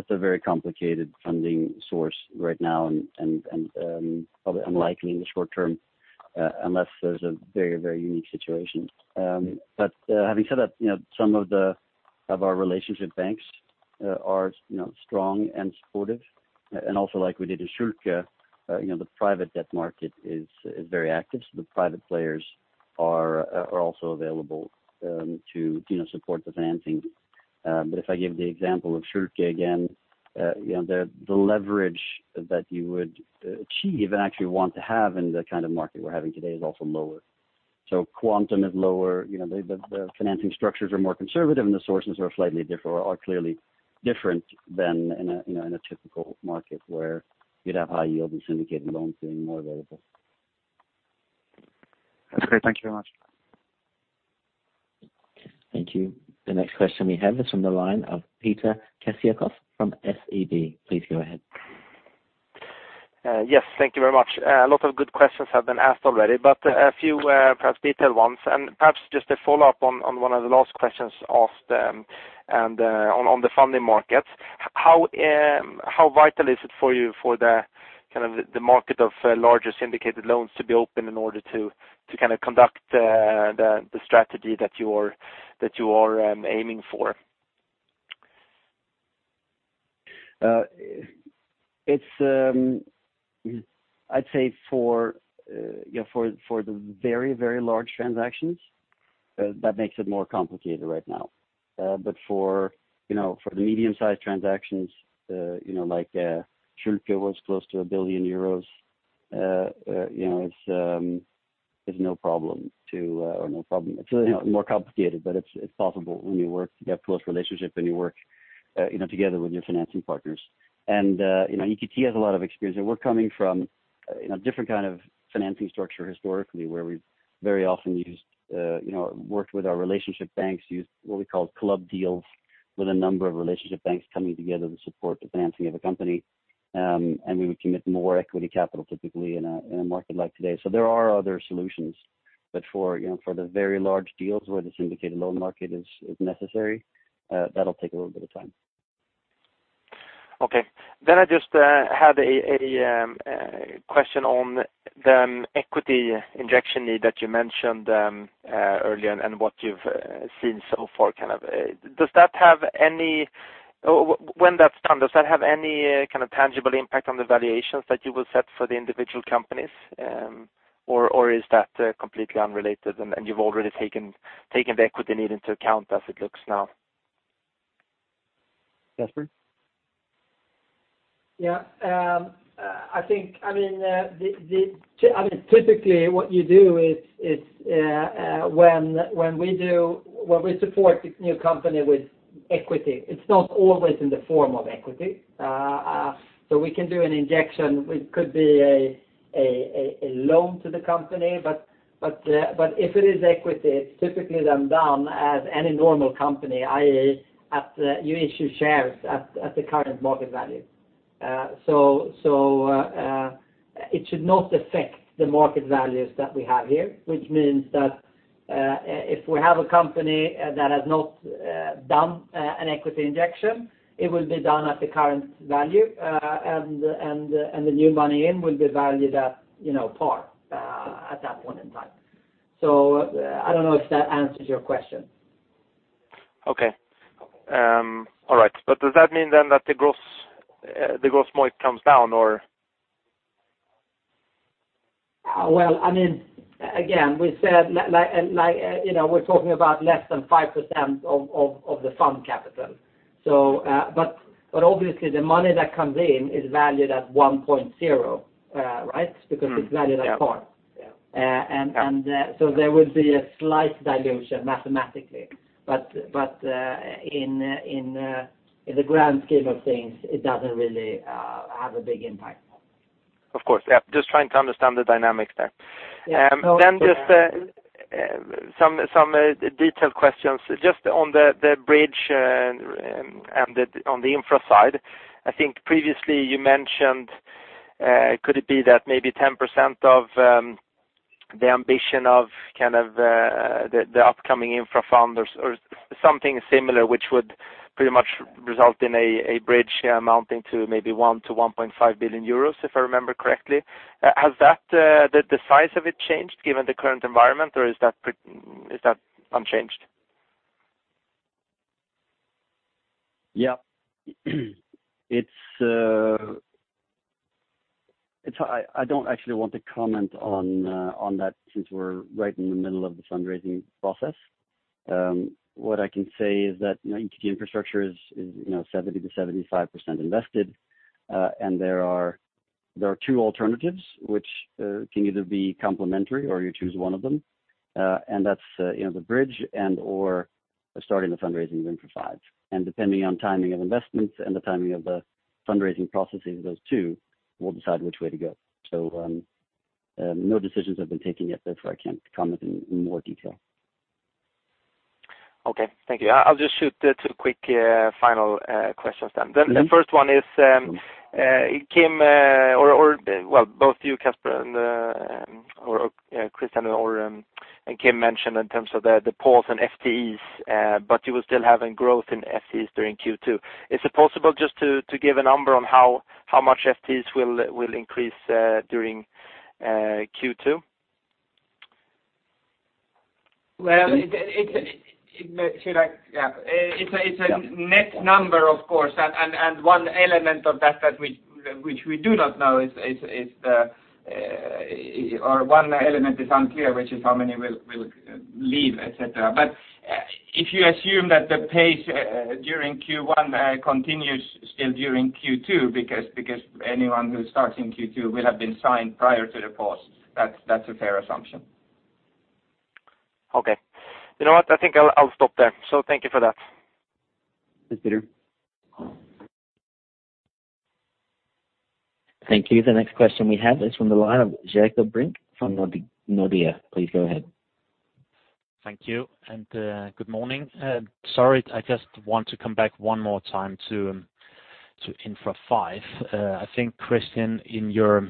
Speaker 2: a very complicated funding source right now and probably unlikely in the short term, unless there's a very, very unique situation. Having said that, some of our relationship banks are strong and supportive. Also like we did in Schülke, the private debt market is very active, the private players are also available to support the financing. If I give the example of Schülke again, the leverage that you would achieve and actually want to have in the kind of market we're having today is also lower. Quantum is lower, the financing structures are more conservative, and the sources are clearly different than in a typical market where you'd have high yield and syndicated loans being more available.
Speaker 7: That's great. Thank you very much.
Speaker 1: Thank you. The next question we have is from the line of Peter Kessiakoff from SEB. Please go ahead.
Speaker 8: Yes. Thank you very much. A lot of good questions have been asked already, but a few perhaps detailed ones, and perhaps just a follow-up on one of the last questions asked on the funding markets. How vital is it for you for the market of larger syndicated loans to be open in order to conduct the strategy that you are aiming for?
Speaker 2: I'd say for the very, very large transactions, that makes it more complicated right now. For the medium-sized transactions like Schülke was close to EUR 1 billion, it's more complicated, but it's possible when you have close relationships and you work together with your financing partners. EQT has a lot of experience. We're coming from a different kind of financing structure historically, where we very often worked with our relationship banks, used what we call club deals with a number of relationship banks coming together to support the financing of a company. We would commit more equity capital typically in a market like today. There are other solutions, but for the very large deals where the syndicated loan market is necessary that'll take a little bit of time.
Speaker 8: I just had a question on the equity injection need that you mentioned earlier and what you've seen so far. When that's done, does that have any tangible impact on the valuations that you will set for the individual companies? Or is that completely unrelated and you've already taken the equity need into account as it looks now?
Speaker 2: Casper?
Speaker 3: Typically, what you do is when we support new company with equity, it's not always in the form of equity. We can do an injection, which could be a loan to the company. If it is equity, it's typically then done as any normal company, i.e., you issue shares at the current market value. It should not affect the market values that we have here, which means that if we have a company that has not done an equity injection, it will be done at the current value, and the new money in will be valued at par at that point in time. I don't know if that answers your question.
Speaker 8: Okay. All right. Does that mean then that the gross MOIC comes down or?
Speaker 3: Well, again, we said we're talking about less than 5% of the fund capital. Obviously the money that comes in is valued at 1.0, right? It's valued at par.
Speaker 8: Yeah.
Speaker 3: There will be a slight dilution mathematically. In the grand scheme of things, it doesn't really have a big impact.
Speaker 8: Of course. Yeah. Just trying to understand the dynamics there.
Speaker 3: Yeah.
Speaker 8: Just some detailed questions just on the bridge and on the Infra side. I think previously you mentioned, could it be that maybe 10% of the ambition of the upcoming Infra fund or something similar, which would pretty much result in a bridge amounting to maybe 1 billion-1.5 billion euros, if I remember correctly. Has the size of it changed given the current environment, or is that unchanged?
Speaker 2: Yeah. I don't actually want to comment on that since we're right in the middle of the fundraising process. What I can say is that EQT Infrastructure is 70%-75% invested. There are two alternatives which can either be complementary or you choose one of them. That's the bridge and/or starting the fundraising of Infra V. Depending on timing of investments and the timing of the fundraising processes of those two, we'll decide which way to go. No decisions have been taken yet, therefore I can't comment in more detail.
Speaker 8: Okay. Thank you. I'll just shoot two quick final questions then. The first one is, Kim, or both you, Caspar and Christian and Kim mentioned in terms of the pause and FTEs, but you were still having growth in FTEs during Q2. Is it possible just to give a number on how much FTEs will increase during Q2?
Speaker 3: Well, it's a net number of course, and one element of that which we do not know, or one element is unclear, which is how many will leave, et cetera. If you assume that the pace during Q1 continues still during Q2, because anyone who starts in Q2 will have been signed prior to the pause. That's a fair assumption.
Speaker 8: Okay. You know what? I think I'll stop there. Thank you for that.
Speaker 2: Thanks, Peter.
Speaker 1: Thank you. The next question we have is from the line of Jakob Brink from Nordea. Please go ahead.
Speaker 9: Thank you, and good morning. Sorry, I just want to come back one more time to Infra V. I think Christian, in your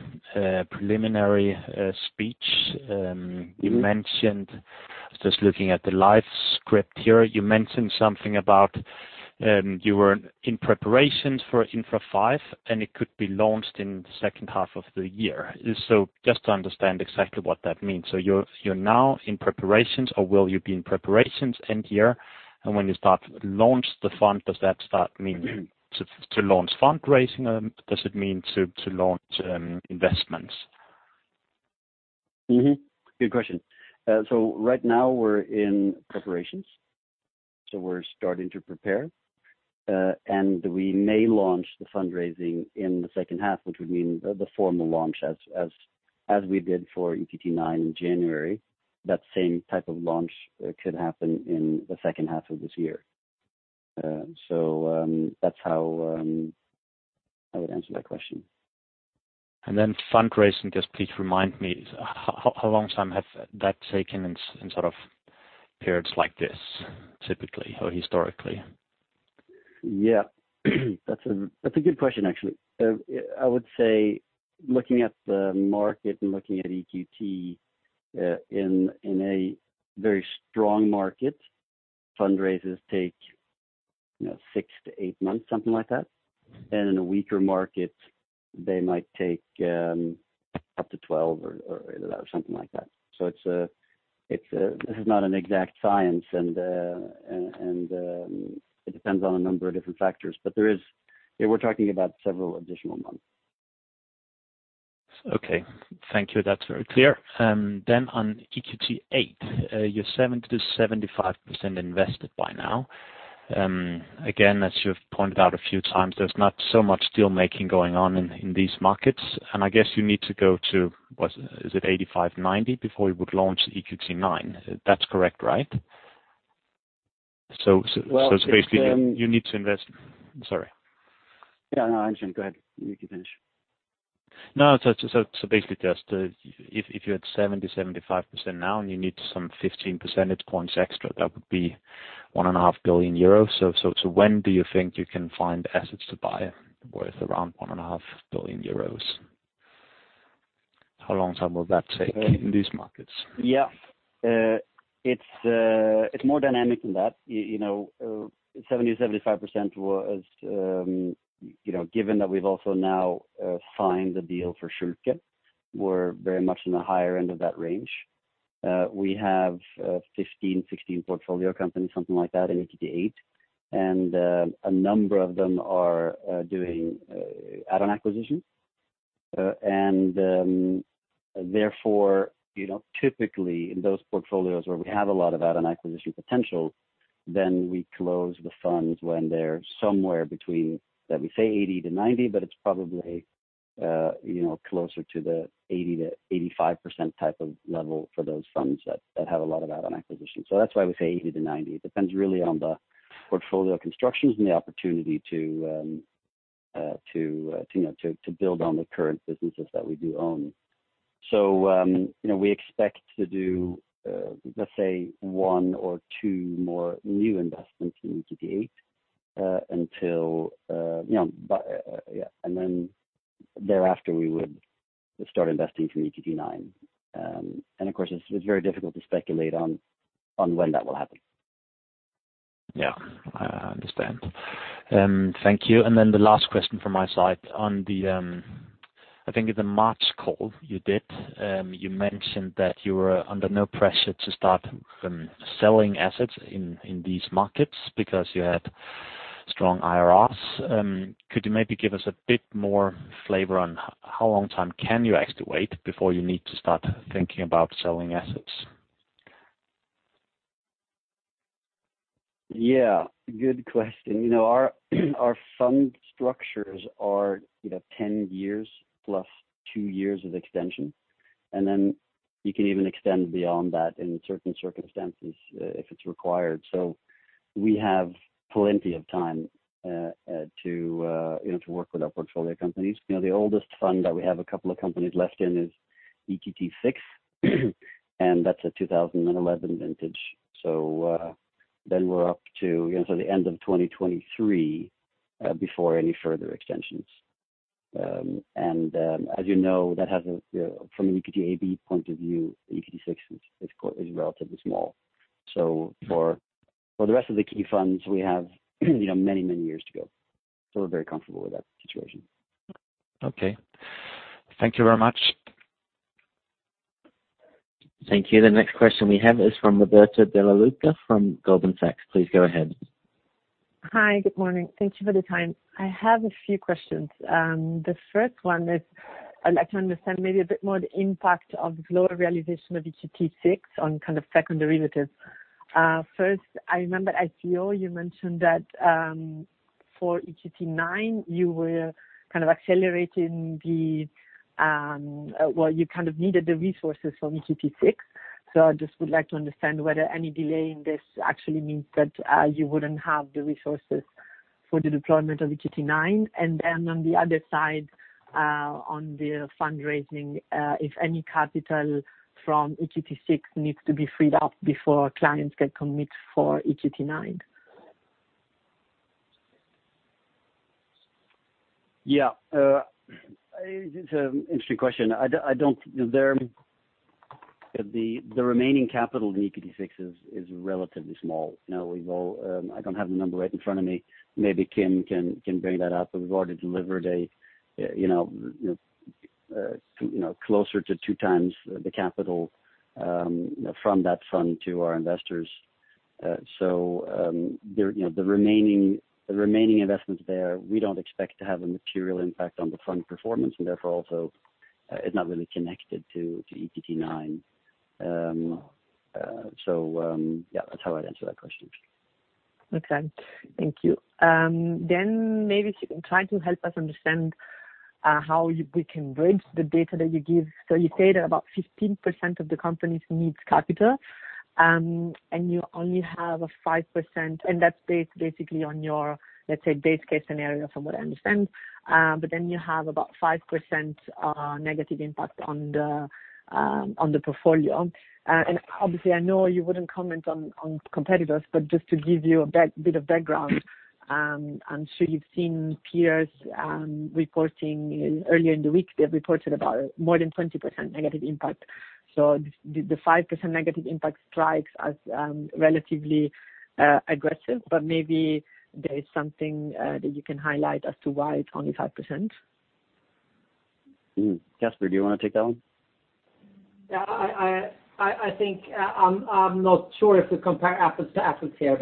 Speaker 9: preliminary speech you mentioned, I was just looking at the live script here. You mentioned something about you were in preparations for Infra V. It could be launched in the second half of the year. Just to understand exactly what that means. You're now in preparations, or will you be in preparations end year? When you start to launch the fund, does that start mean to launch fundraising, or does it mean to launch investments?
Speaker 2: Good question. Right now we're in preparations, so we're starting to prepare. We may launch the fundraising in the second half, which would mean the formal launch as we did for EQT IX in January. That same type of launch could happen in the second half of this year. That's how I would answer that question.
Speaker 9: Fundraising, just please remind me, how long time have that taken in periods like this, typically or historically?
Speaker 2: Yeah. That's a good question, actually. I would say looking at the market and looking at EQT, in a very strong market, fundraisers take six to eight months, something like that. In a weaker market, they might take up to 12 or something like that. This is not an exact science, and it depends on a number of different factors, but we're talking about several additional months.
Speaker 9: Okay. Thank you. That's very clear. On EQT VIII, you're 70%-75% invested by now. As you've pointed out a few times, there's not so much deal-making going on in these markets, I guess you need to go to, is it 85%-90% before you would launch EQT IX? That's correct, right? Basically you need to invest Sorry.
Speaker 2: Yeah, no, go ahead. You can finish.
Speaker 9: Basically just if you're at 70%-75% now and you need some 15 percentage points extra, that would be 1.5 billion euros. When do you think you can find assets to buy worth around 1.5 billion euros? How long time will that take in these markets?
Speaker 2: Yeah. It's more dynamic than that. 70%-75% was given that we've also now signed the deal for Schülke, we're very much in the higher end of that range. We have 15-16 portfolio companies, something like that, in EQT VIII. A number of them are doing add-on acquisitions. Therefore, typically in those portfolios where we have a lot of add-on acquisition potential, then we close the funds when they're somewhere between, let me say 80%-90%, but it's probably closer to the 80%-85% type of level for those funds that have a lot of add-on acquisitions. That's why we say 80%-90%. It depends really on the portfolio constructions and the opportunity to build on the current businesses that we do own. We expect to do, let's say, one or two more new investments in EQT VIII, thereafter we would start investing from EQT IX. Of course, it's very difficult to speculate on when that will happen.
Speaker 9: Yeah, I understand. Thank you. The last question from my side on the, I think in the March call you did, you mentioned that you were under no pressure to start selling assets in these markets because you had strong IRRs. Could you maybe give us a bit more flavor on how long time can you actually wait before you need to start thinking about selling assets?
Speaker 2: Yeah, good question. Our fund structures are 10 years + two years of extension, and then you can even extend beyond that in certain circumstances, if it's required. We have plenty of time to work with our portfolio companies. The oldest fund that we have a couple of companies left in is EQT VI and that's a 2011 vintage. We're up to the end of 2023, before any further extensions. As you know, from an EQT AB point of view, EQT VI is relatively small. For the rest of the key funds, we have many years to go. We're very comfortable with that situation.
Speaker 9: Okay. Thank you very much.
Speaker 1: Thank you. The next question we have is from Roberta De Luca from Goldman Sachs. Please go ahead.
Speaker 10: Hi. Good morning. Thank you for the time. I have a few questions. The first one is, I'd like to understand maybe a bit more the impact of lower realization of EQT VI on kind of second derivatives. First, I remember at CEO, you mentioned that, for EQT IX, you were kind of accelerating. Well, you kind of needed the resources from EQT VI. I just would like to understand whether any delay in this actually means that you wouldn't have the resources for the deployment of EQT IX, on the other side, on the fundraising, if any capital from EQT VI needs to be freed up before clients can commit for EQT IX?
Speaker 2: Yeah. It's an interesting question. The remaining capital in EQT VI is relatively small. I don't have the number right in front of me. Maybe Kim can bring that up, but we've already delivered closer to 2x the capital from that fund to our investors. The remaining investments there, we don't expect to have a material impact on the fund performance, and therefore, also it's not really connected to EQT IX. Yeah, that's how I'd answer that question.
Speaker 10: Okay. Thank you. Maybe if you can try to help us understand how we can bridge the data that you give. You say that about 15% of the companies needs capital, and you only have a 5%, and that's based basically on your, let's say, base case scenario from what I understand. You have about 5% negative impact on the portfolio. Obviously, I know you wouldn't comment on competitors, but just to give you a bit of background, I'm sure you've seen peers reporting earlier in the week, they've reported about more than 20% negative impact. So the 5% negative impact strikes as relatively aggressive, but maybe there is something that you can highlight as to why it's only 5%.
Speaker 2: Caspar, do you want to take that one?
Speaker 3: Yeah. I'm not sure if we compare apples to apples here.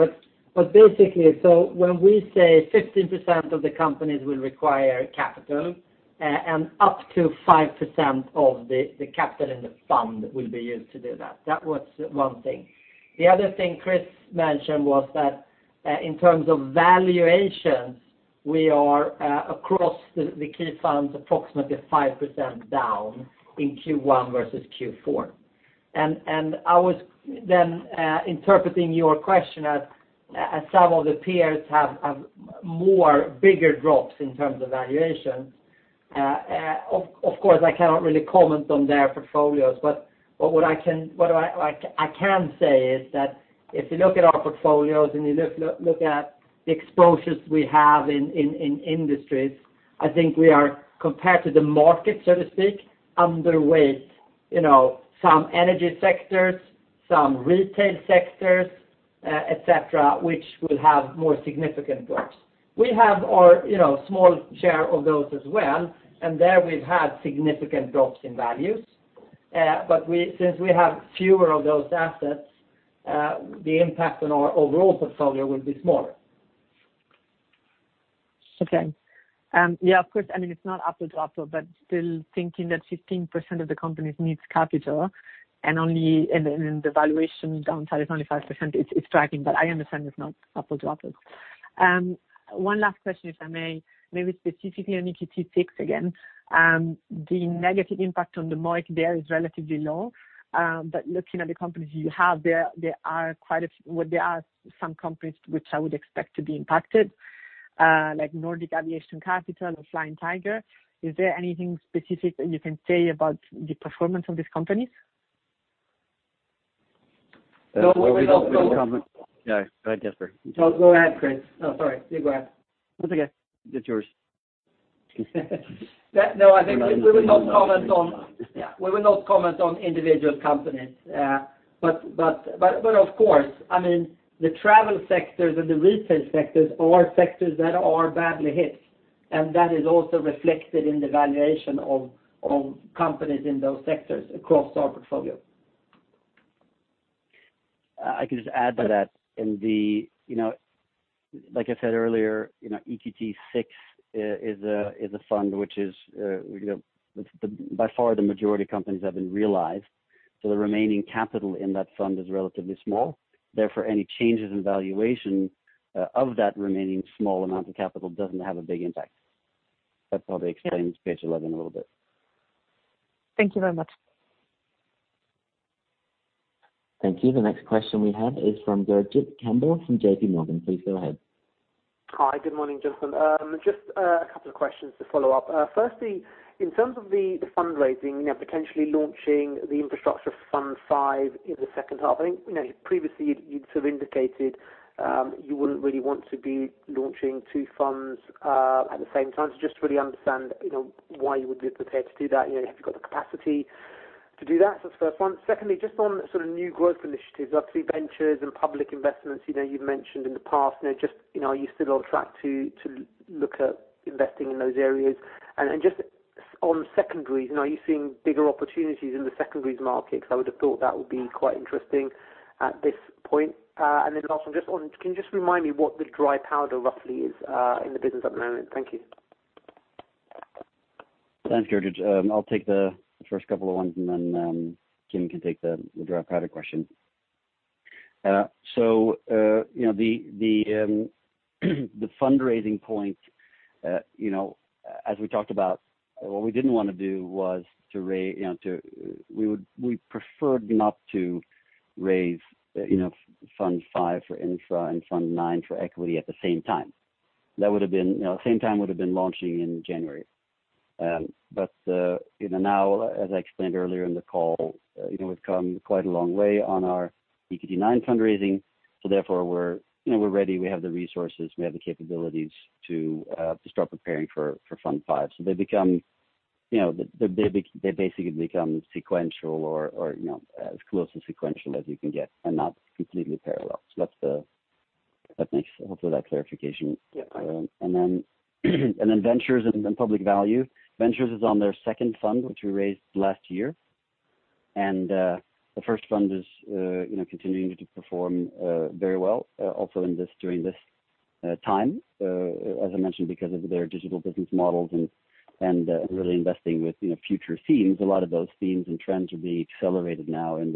Speaker 3: When we say 15% of the companies will require capital and up to 5% of the capital in the fund will be used to do that. That was one thing. The other thing Chris mentioned was that, in terms of valuations, we are across the key funds, approximately 5% down in Q1 versus Q4. I was interpreting your question as some of the peers have more bigger drops in terms of valuations. Of course, I cannot really comment on their portfolios. What I can say is that if you look at our portfolios and you look at the exposures we have in industries, I think we are compared to the market, so to speak, underweight. Some energy sectors, some retail sectors, et cetera, which will have more significant drops. We have our small share of those as well. There we've had significant drops in values. Since we have fewer of those assets, the impact on our overall portfolio will be smaller.
Speaker 10: Okay. Yeah, of course, it's not apples to apples, but still thinking that 15% of the companies needs capital and the valuation downside is only 5%, it's striking, but I understand it's not apples to apples. One last question, if I may. Maybe specifically on EQT VI again. The negative impact on the MOIC there is relatively low. Looking at the companies you have there are some companies which I would expect to be impacted, like Nordic Aviation Capital or Flying Tiger. Is there anything specific that you can say about the performance of these companies?
Speaker 3: No, we don't comment.
Speaker 2: Yeah. Go ahead, Caspar.
Speaker 3: No, go ahead, Chris. No, sorry. You go ahead.
Speaker 2: That's okay. It's yours.
Speaker 3: No, I think we will not comment.
Speaker 2: No, you go ahead.
Speaker 3: Yeah, we will not comment on individual companies. Of course, the travel sectors and the retail sectors are sectors that are badly hit, and that is also reflected in the valuation of companies in those sectors across our portfolio.
Speaker 2: I can just add to that. Like I said earlier, EQT VI is a fund which is by far the majority of companies have been realized, so the remaining capital in that fund is relatively small. Therefore, any changes in valuation of that remaining small amount of capital doesn't have a big impact. That probably explains page 11 a little bit.
Speaker 10: Thank you very much.
Speaker 1: Thank you. The next question we have is from Gurjit Kambo from JPMorgan. Please go ahead.
Speaker 11: Hi. Good morning, gentlemen. Just a couple of questions to follow up. In terms of the fundraising, potentially launching the infrastructure fund five in the second half, I think previously you'd indicated you wouldn't really want to be launching two funds at the same time. Just to really understand why you would be prepared to do that. Have you got the capacity to do that? That's the first one. Just on new growth initiatives, obviously ventures and public investments, you've mentioned in the past. Are you still on track to look at investing in those areas? Just on secondaries, are you seeing bigger opportunities in the secondaries market? I would have thought that would be quite interesting at this point. Last one, can you just remind me what the dry powder roughly is in the business at the moment? Thank you.
Speaker 2: Thanks, Gurjit. I'll take the first couple of ones and then Kim can take the dry powder question. The fundraising point, as we talked about, what we didn't want to do was we preferred not to raise Fund V for Infra and Fund IX for Equity at the same time. The same time would have been launching in January. Now as I explained earlier in the call, we've come quite a long way on our EQT IX fundraising, therefore we're ready. We have the resources, we have the capabilities to start preparing for Fund V. They basically become sequential or as close to sequential as you can get, and not completely parallel. Hopefully that clarification-
Speaker 11: Yeah.
Speaker 2: Ventures and Public Value. Ventures is on their second fund, which we raised last year. The first fund is continuing to perform very well also during this time as I mentioned, because of their digital business models and really investing with future themes. A lot of those themes and trends will be accelerated now in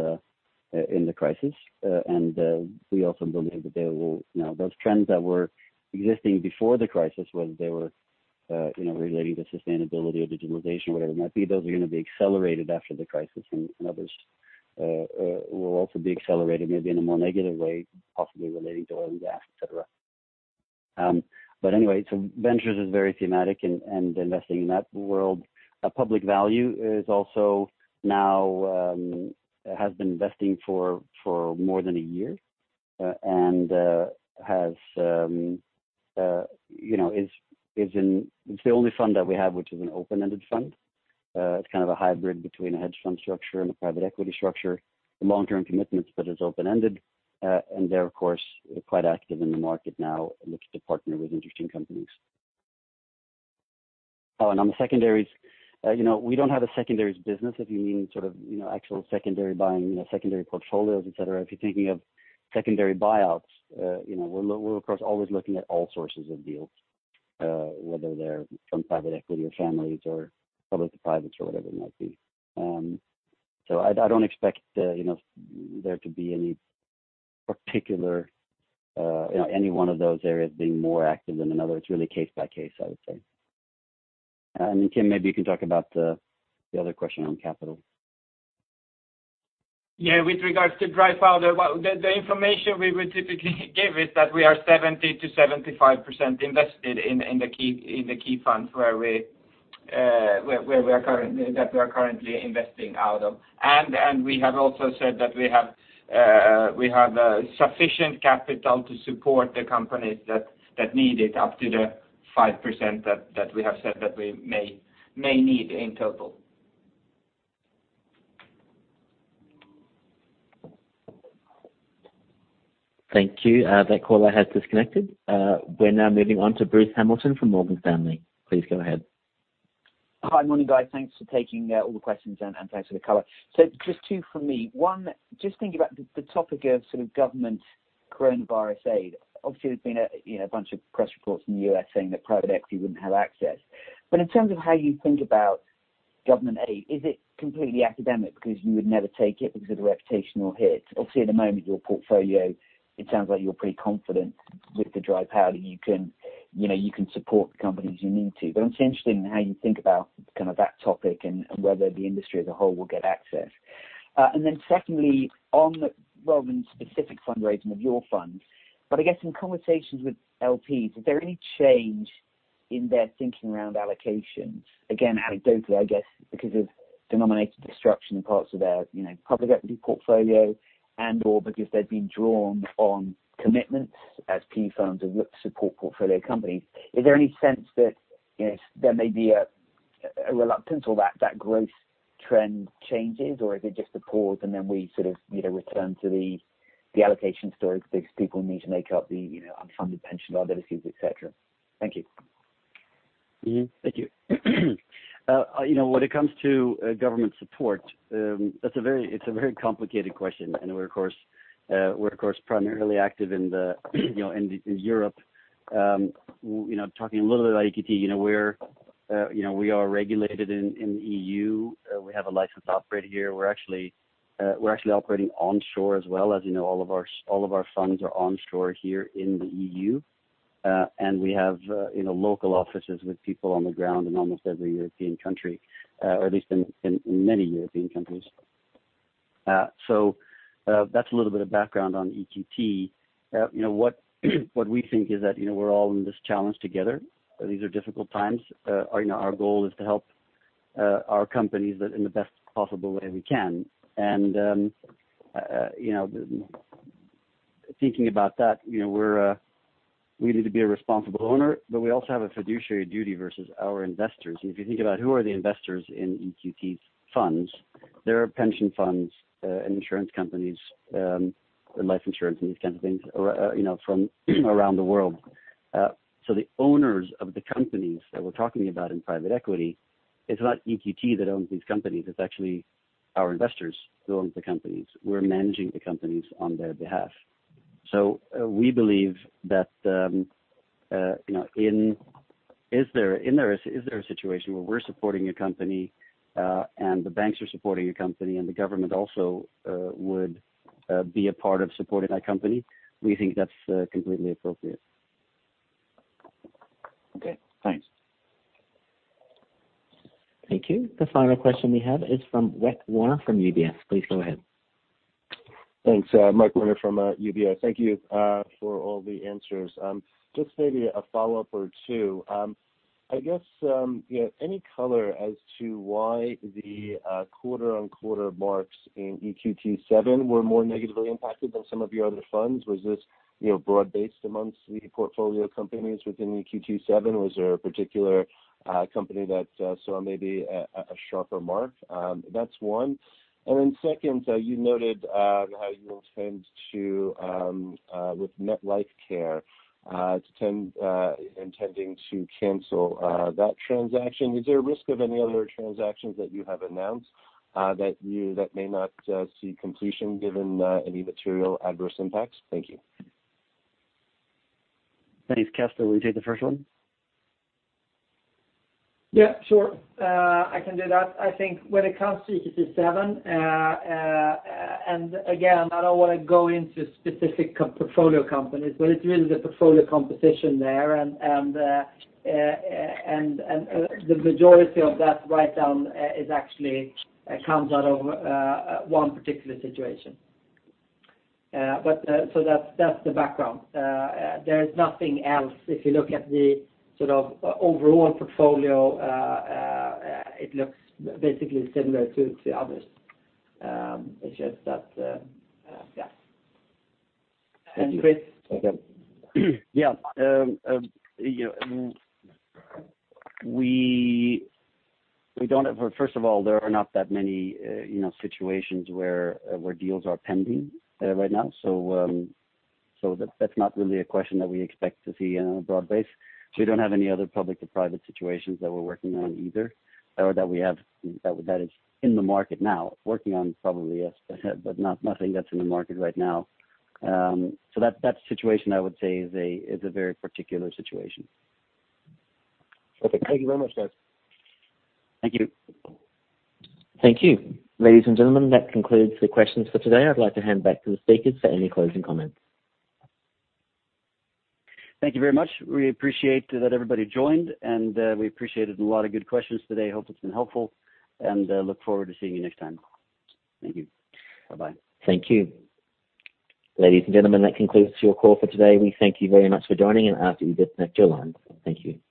Speaker 2: the crisis. We also believe that those trends that were existing before the crisis, whether they were relating to sustainability or digitalization, whatever it might be, those are going to be accelerated after the crisis, and others will also be accelerated, maybe in a more negative way, possibly relating to oil and gas, et cetera. Ventures is very thematic and investing in that world. Public Value also now has been investing for more than a year. It's the only fund that we have, which is an open-ended fund. It's kind of a hybrid between a hedge fund structure and a private equity structure for long-term commitments, but it's open-ended. They're, of course, quite active in the market now and looking to partner with interesting companies. On the secondaries, we don't have a secondaries business if you mean actual secondary buying, secondary portfolios, et cetera. If you're thinking of secondary buyouts, we're of course always looking at all sources of deals whether they're from private equity or families or public to privates or whatever it might be. I don't expect there to be any particular one of those areas being more active than another. It's really case by case, I would say. Kim, maybe you can talk about the other question on capital.
Speaker 4: Yeah. With regards to dry powder, well, the information we would typically give is that we are 70%-75% invested in the key funds that we are currently investing out of. We have also said that we have sufficient capital to support the companies that need it up to the 5% that we have said that we may need in total.
Speaker 1: Thank you. That caller has disconnected. We're now moving on to Bruce Hamilton from Morgan Stanley. Please go ahead.
Speaker 12: Hi. Morning, guys. Thanks for taking all the questions and thanks for the color. Just two from me. One, just thinking about the topic of government coronavirus aid. Obviously, there's been a bunch of press reports in the U.S. saying that private equity wouldn't have access. In terms of how you think about government aid, is it completely academic because you would never take it because of the reputational hit? Obviously, at the moment, your portfolio, it sounds like you're pretty confident with the dry powder. You can support the companies you need to. I'm just interested in how you think about that topic and whether the industry as a whole will get access. Secondly, on Roman's specific fundraising of your funds, but I guess in conversations with LPs, is there any change in their thinking around allocation? Anecdotal, I guess, because of denominated disruption in parts of their public equity portfolio and/or because they're being drawn on commitments as PE firms have looked to support portfolio companies. Is there any sense that there may be a reluctance or that growth trend changes, or is it just a pause and then we sort of return to the allocation story because people need to make up the unfunded pension liabilities, et cetera? Thank you.
Speaker 2: Thank you. When it comes to government support, it's a very complicated question. We're of course primarily active in Europe. Talking a little bit about EQT, we are regulated in the EU. We have a licensed operator here. We're actually operating onshore as well. As you know, all of our funds are onshore here in the EU. We have local offices with people on the ground in almost every European country, or at least in many European countries. That's a little bit of background on EQT. What we think is that we're all in this challenge together. These are difficult times. Our goal is to help our companies in the best possible way we can. Thinking about that, we need to be a responsible owner, but we also have a fiduciary duty versus our investors. If you think about who are the investors in EQT's funds, there are pension funds and insurance companies, and life insurance and these kinds of things from around the world. The owners of the companies that we're talking about in private equity, it's not EQT that owns these companies, it's actually our investors who own the companies. We're managing the companies on their behalf. We believe that if there is a situation where we're supporting a company and the banks are supporting a company and the government also would be a part of supporting that company, we think that's completely appropriate.
Speaker 12: Okay, thanks.
Speaker 1: Thank you. The final question we have is from Mike Williams from UBS. Please go ahead.
Speaker 13: Thanks. Mike Williams from UBS. Thank you for all the answers. Just maybe a follow-up or two. I guess any color as to why the quarter-on-quarter marks in EQT VII were more negatively impacted than some of your other funds? Was this broad-based amongst the portfolio companies within EQT VII? Was there a particular company that saw maybe a sharper mark? That's one. Second, you noted how you will intend to, with Nestlé Skin Health, intending to cancel that transaction. Is there a risk of any other transactions that you have announced that may not see completion given any material adverse impacts? Thank you.
Speaker 2: Thanks. Caspar, will you take the first one?
Speaker 3: Yeah, sure. I can do that. I think when it comes to EQT VII, again, I don't want to go into specific portfolio companies, but it's really the portfolio composition there and the majority of that write-down actually comes out of one particular situation. That's the background. There is nothing else. If you look at the overall portfolio, it looks basically similar to others. Chris?
Speaker 13: Okay.
Speaker 2: Yeah. First of all, there are not that many situations where deals are pending right now. That's not really a question that we expect to see on a broad base. We don't have any other public to private situations that we're working on either, or that is in the market now. Working on probably, yes, nothing that's in the market right now. That situation, I would say, is a very particular situation.
Speaker 13: Okay. Thank you very much, guys.
Speaker 2: Thank you.
Speaker 1: Thank you. Ladies and gentlemen, that concludes the questions for today. I'd like to hand back to the speakers for any closing comments.
Speaker 2: Thank you very much. We appreciate that everybody joined, and we appreciated a lot of good questions today. Hope it has been helpful, and look forward to seeing you next time. Thank you. Bye-bye.
Speaker 1: Thank you. Ladies and gentlemen, that concludes your call for today. We thank you very much for joining and ask that you disconnect your lines. Thank you.